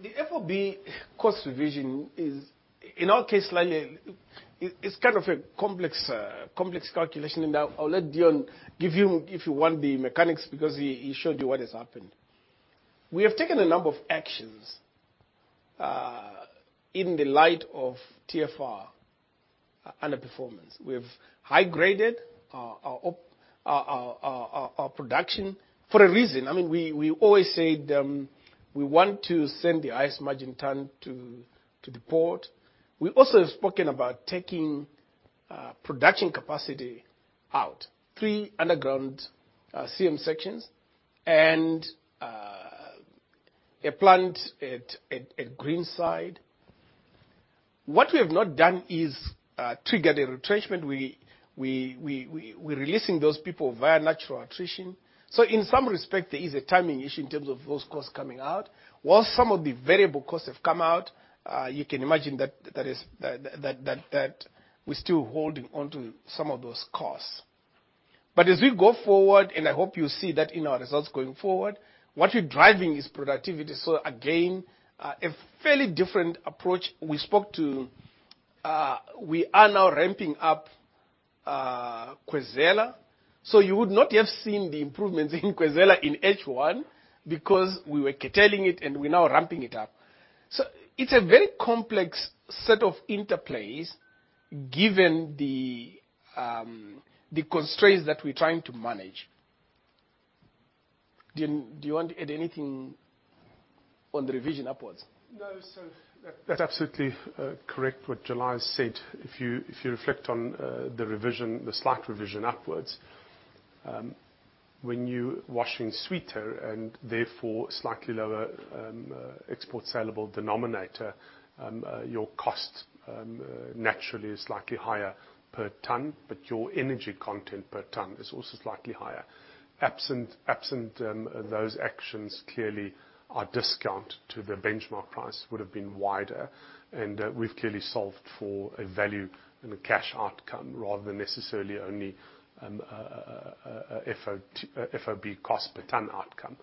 The FOB cost revision is, in our case, Sandile, it, it's kind of a complex, complex calculation, and I'll, I'll let Deon give you, if you want, the mechanics, because he, he showed you what has happened. We have taken a number of actions in the light of TFR underperformance. We've high-graded our, our up, our, our, our, our production for a reason. I mean, we, we always said, we want to send the highest margin ton to, to the port. We also have spoken about taking production capacity out. Three underground CM sections and a plant at Greenside. What we have not done is triggered a retrenchment. We, we, we, we, we're releasing those people via natural attrition. In some respect, there is a timing issue in terms of those costs coming out. While some of the variable costs have come out, you can imagine that we're still holding onto some of those costs. As we go forward, and I hope you see that in our results going forward, what we're driving is productivity. Again, a fairly different approach. We are now ramping up, Khwezela, so you would not have seen the improvements in Khwezela in H1, because we were curtailing it, and we're now ramping it up. It's a very complex set of interplays, given the constraints that we're trying to manage. Deon, do you want to add anything on the revision upwards? No, that, that's absolutely correct, what July said. If you, if you reflect on the revision, the slight revision upwards, when you're washing sweeter and therefore slightly lower, export saleable denominator, your cost naturally is slightly higher per ton, but your energy content per ton is also slightly higher. Absent, absent those actions, clearly, our discount to the benchmark price would have been wider, and we've clearly solved for a value and a cash outcome rather than necessarily only a FOB cost per ton outcome.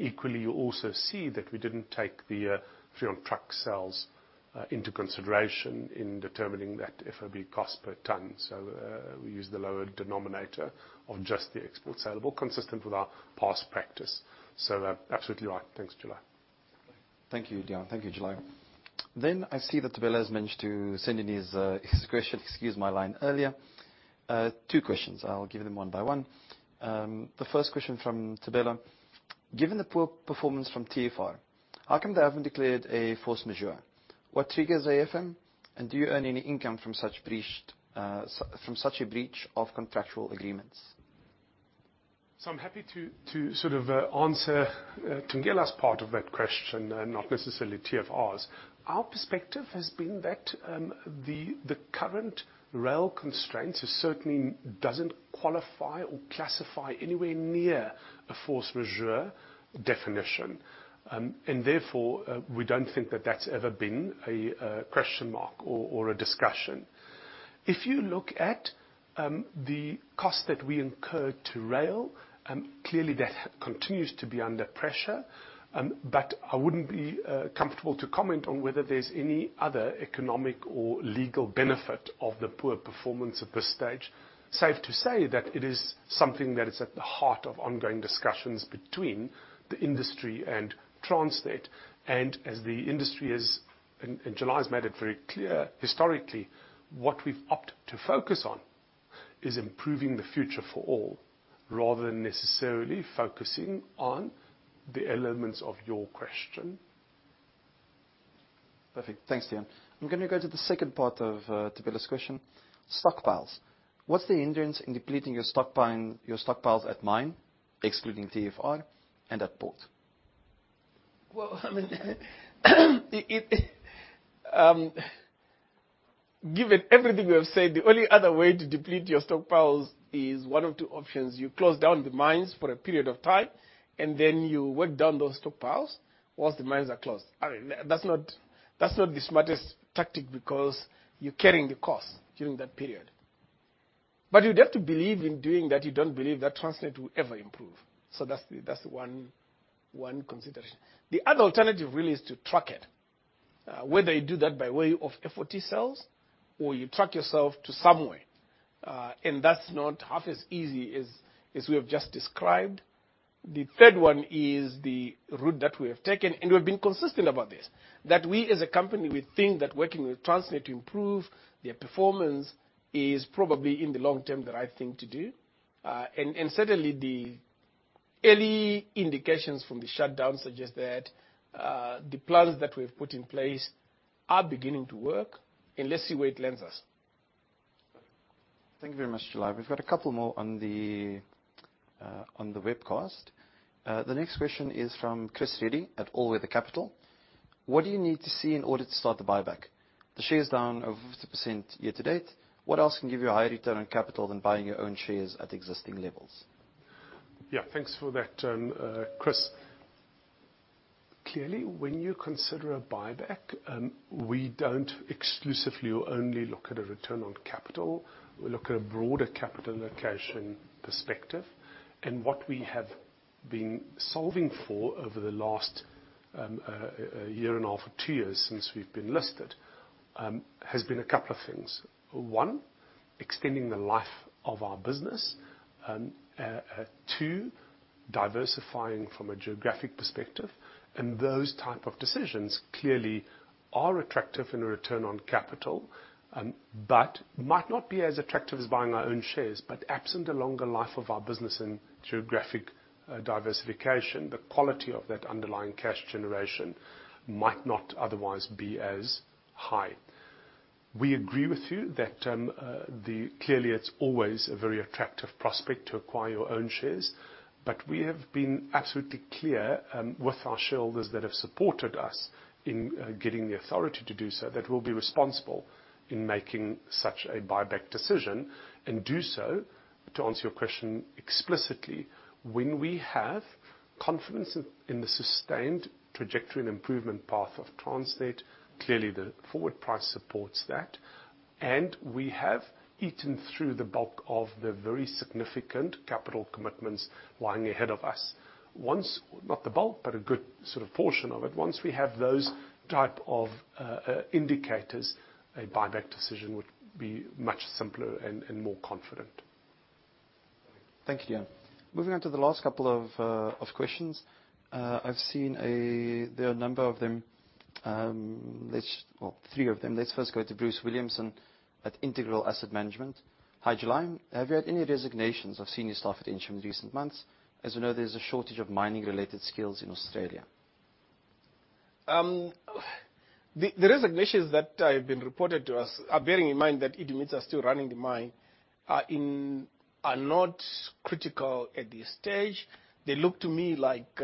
Equally, you also see that we didn't take the free on truck sales into consideration in determining that FOB cost per ton. We used the lower denominator of just the export saleable, consistent with our past practice. Absolutely right. Thanks, July. Thank you, Deon. Thank you, July. I see that Thobela has managed to send in his question. Excuse my line earlier. Two questions. I'll give them one by one. The first question from Thobela: Given the poor performance from TFR, how come they haven't declared a force majeure? What triggers a FM, and do you earn any income from such a breach of contractual agreements? I'm happy to, to sort of, answer Thobela's part of that question, not necessarily TFR's. Our perspective has been that the current rail constraint certainly doesn't qualify or classify anywhere near a force majeure definition. Therefore, we don't think that that's ever been a question mark or a discussion. If you look at the cost that we incurred to rail, clearly, that continues to be under pressure, but I wouldn't be comfortable to comment on whether there's any other economic or legal benefit of the poor performance at this stage. Safe to say that it is something that is at the heart of ongoing discussions between the industry and Transnet, and as the industry has, and July has made it very clear, historically, what we've opted to focus on is improving the future for all, rather than necessarily focusing on the elements of your question. Perfect. Thanks, Deon. I'm gonna go to the second part of Thobela's question. Stockpiles. What's the hindrance in depleting your stockpiling, your stockpiles at mine, excluding TFR, and at port? Well, I mean, it, it... Given everything we have said, the only other way to deplete your stockpiles is one of two options. You close down the mines for a period of time, and then you work down those stockpiles whilst the mines are closed. I mean, that's not, that's not the smartest tactic, because you're carrying the cost during that period. You'd have to believe in doing that, you don't believe that Transnet will ever improve. That's the, that's one consideration. The other alternative, really, is to track it. Whether you do that by way of flotation cells or you track yourself to some way, and that's not half as easy as, as we have just described. The third one is the route that we have taken. We've been consistent about this, that we, as a company, we think that working with Transnet to improve their performance is probably, in the long term, the right thing to do. Certainly, the early indications from the shutdown suggest that the plans that we've put in place are beginning to work. Let's see where it lands us. Thank you very much, July. We've got two more on the webcast. The next question is from Chris Reddy at All Weather Capital. What do you need to see in order to start the buyback? The share's down over 50% year-to-date. What else can give you a higher return on capital than buying your own shares at existing levels? Yeah, thanks for that, Chris. Clearly, when you consider a buyback, we don't exclusively or only look at a return on capital. We look at a broader capital allocation perspective, and what we have been solving for over the last 1.5 years, or two years since we've been listed, has been a couple of things. One, extending the life of our business. Two, diversifying from a geographic perspective, and those type of decisions clearly are attractive in a return on capital, but might not be as attractive as buying our own shares. But absent a longer life of our business and geographic diversification, the quality of that underlying cash generation might not otherwise be as high. We agree with you that, clearly, it's always a very attractive prospect to acquire your own shares, but we have been absolutely clear with our shareholders that have supported us in getting the authority to do so, that we'll be responsible in making such a buyback decision. Do so, to answer your question explicitly, when we have confidence in, in the sustained trajectory and improvement path of Transnet, clearly, the forward price supports that. We have eaten through the bulk of the very significant capital commitments lying ahead of us. Not the bulk, but a good sort of portion of it. Once we have those type of indicators, a buyback decision would be much simpler and, and more confident. Thank you. Moving on to the last couple of questions. I've seen there are a number of them. Well, three of them. Let's first go to Bruce Williamson at Integral Asset Management. Hi, July. Have you had any resignations of senior staff at Ensham in recent months? As we know, there's a shortage of mining-related skills in Australia. The resignations that have been reported to us, bearing in mind that Idemitsu are still running the mine, are in, are not critical at this stage. They look to me like,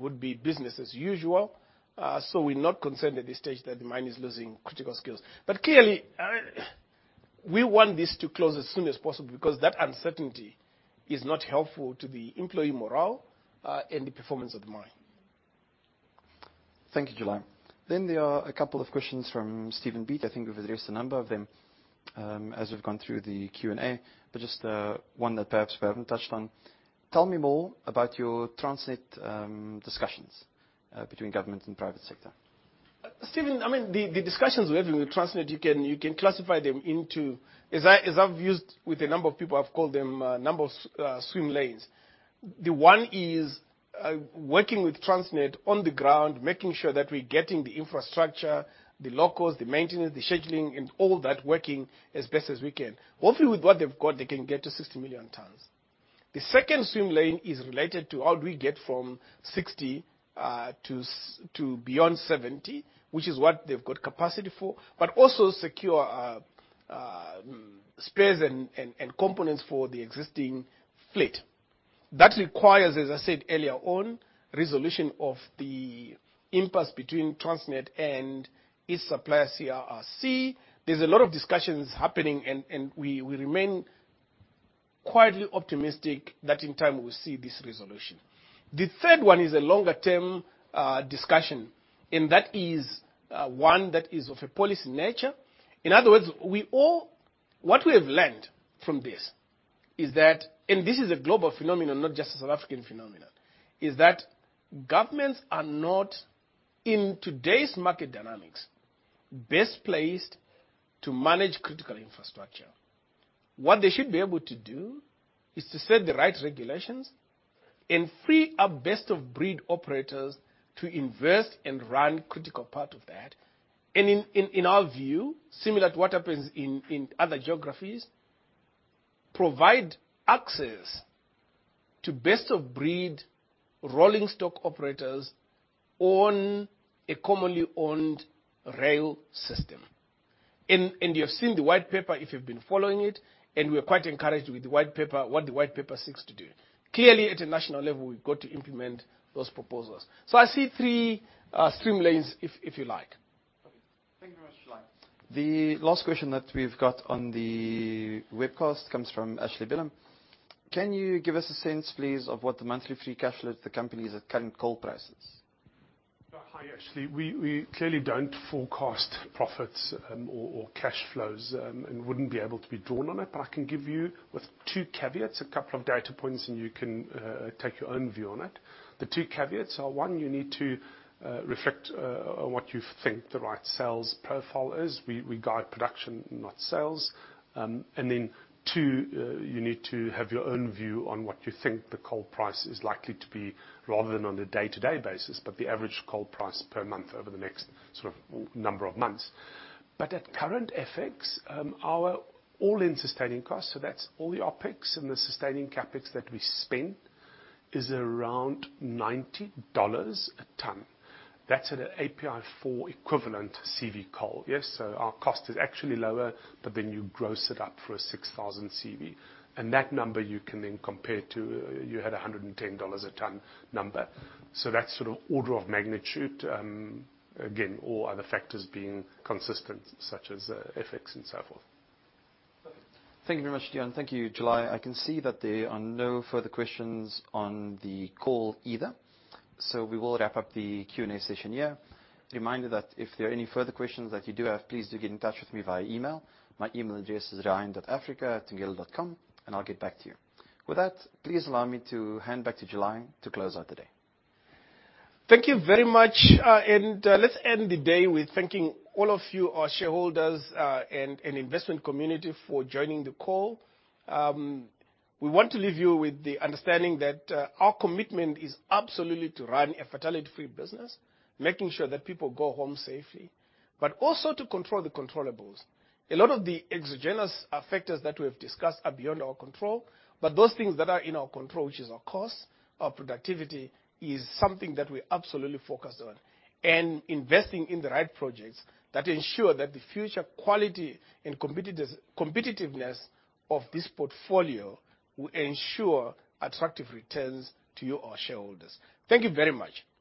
would be business as usual. We're not concerned at this stage that the mine is losing critical skills. Clearly, I- we want this to close as soon as possible, because that uncertainty is not helpful to the employee morale, and the performance of the mine. Thank you, July. There are a couple of questions from Steven Beat. I think we've addressed a number of them, as we've gone through the Q&A, but just one that perhaps we haven't touched on. Tell me more about your Transnet discussions between government and private sector. Steven, I mean, the discussions we're having with Transnet, you can classify them into, as I've used with a number of people, I've called them number of swim lanes. The one is working with Transnet on the ground, making sure that we're getting the infrastructure, the locals, the maintenance, the scheduling, and all that, working as best as we can. Hopefully, with what they've got, they can get to 60 million tons. The second swim lane is related to how do we get from 60 to beyond 70, which is what they've got capacity for, but also secure spares and components for the existing fleet. That requires, as I said earlier on, resolution of the impasse between Transnet and its supplier, CRRC. There's a lot of discussions happening, and, and we, we remain quietly optimistic that in time we will see this resolution. The third one is a longer-term discussion, and that is one that is of a policy nature. In other words, what we have learnt from this is that, and this is a global phenomenon, not just a South African phenomenon, is that governments are not, in today's market dynamics, best placed to manage critical infrastructure. What they should be able to do is to set the right regulations and free our best-of-breed operators to invest and run critical part of that. In, in, in our view, similar to what happens in, in other geographies, provide access to best-of-breed rolling stock operators on a commonly owned rail system. You have seen the white paper, if you've been following it, and we're quite encouraged with the white paper, what the white paper seeks to do. Clearly, at a national level, we've got to implement those proposals. So I see three swim lanes, if, if you like. Thank you very much, July. The last question that we've got on the webcast comes from Ashley Bellum. Can you give us a sense, please, of what the monthly free cash flow of the company is at current coal prices? Hi, Ashley. We, we clearly don't forecast profits, or, or cash flows, and wouldn't be able to be drawn on it. I can give you, with two caveats, a couple of data points, and you can take your own view on it. The two caveats are, one, you need to reflect on what you think the right sales profile is. We, we guide production, not sales. And then, two, you need to have your own view on what you think the coal price is likely to be, rather than on a day-to-day basis, but the average coal price per month over the next sort of, number of months. At current FX, our all-in sustaining costs, so that's all the OpEx and the sustaining CapEx that we spend, is around $90 a ton. That's at an API 4 equivalent CV coal. Yes, our cost is actually lower, but then you gross it up for a 6,000 CV, and that number you can then compare to, you had a $110 a ton number. That's sort of order of magnitude, again, all other factors being consistent, such as, FX and so forth. Thank you very much, Deon. Thank you, July. I can see that there are no further questions on the call either. We will wrap up the Q&A session here. Reminder that if there are any further questions that you do have, please do get in touch with me via email. My email address is ryan.africa@thungela.com. I'll get back to you. With that, please allow me to hand back to July to close out the day. Thank you very much, and let's end the day with thanking all of you, our shareholders, and investment community for joining the call. We want to leave you with the understanding that our commitment is absolutely to run a fatality-free business, making sure that people go home safely, but also to control the controllables. A lot of the exogenous factors that we have discussed are beyond our control, but those things that are in our control, which is our cost, our productivity, is something that we're absolutely focused on. Investing in the right projects that ensure that the future quality and competitiveness of this portfolio will ensure attractive returns to you, our shareholders. Thank you very much.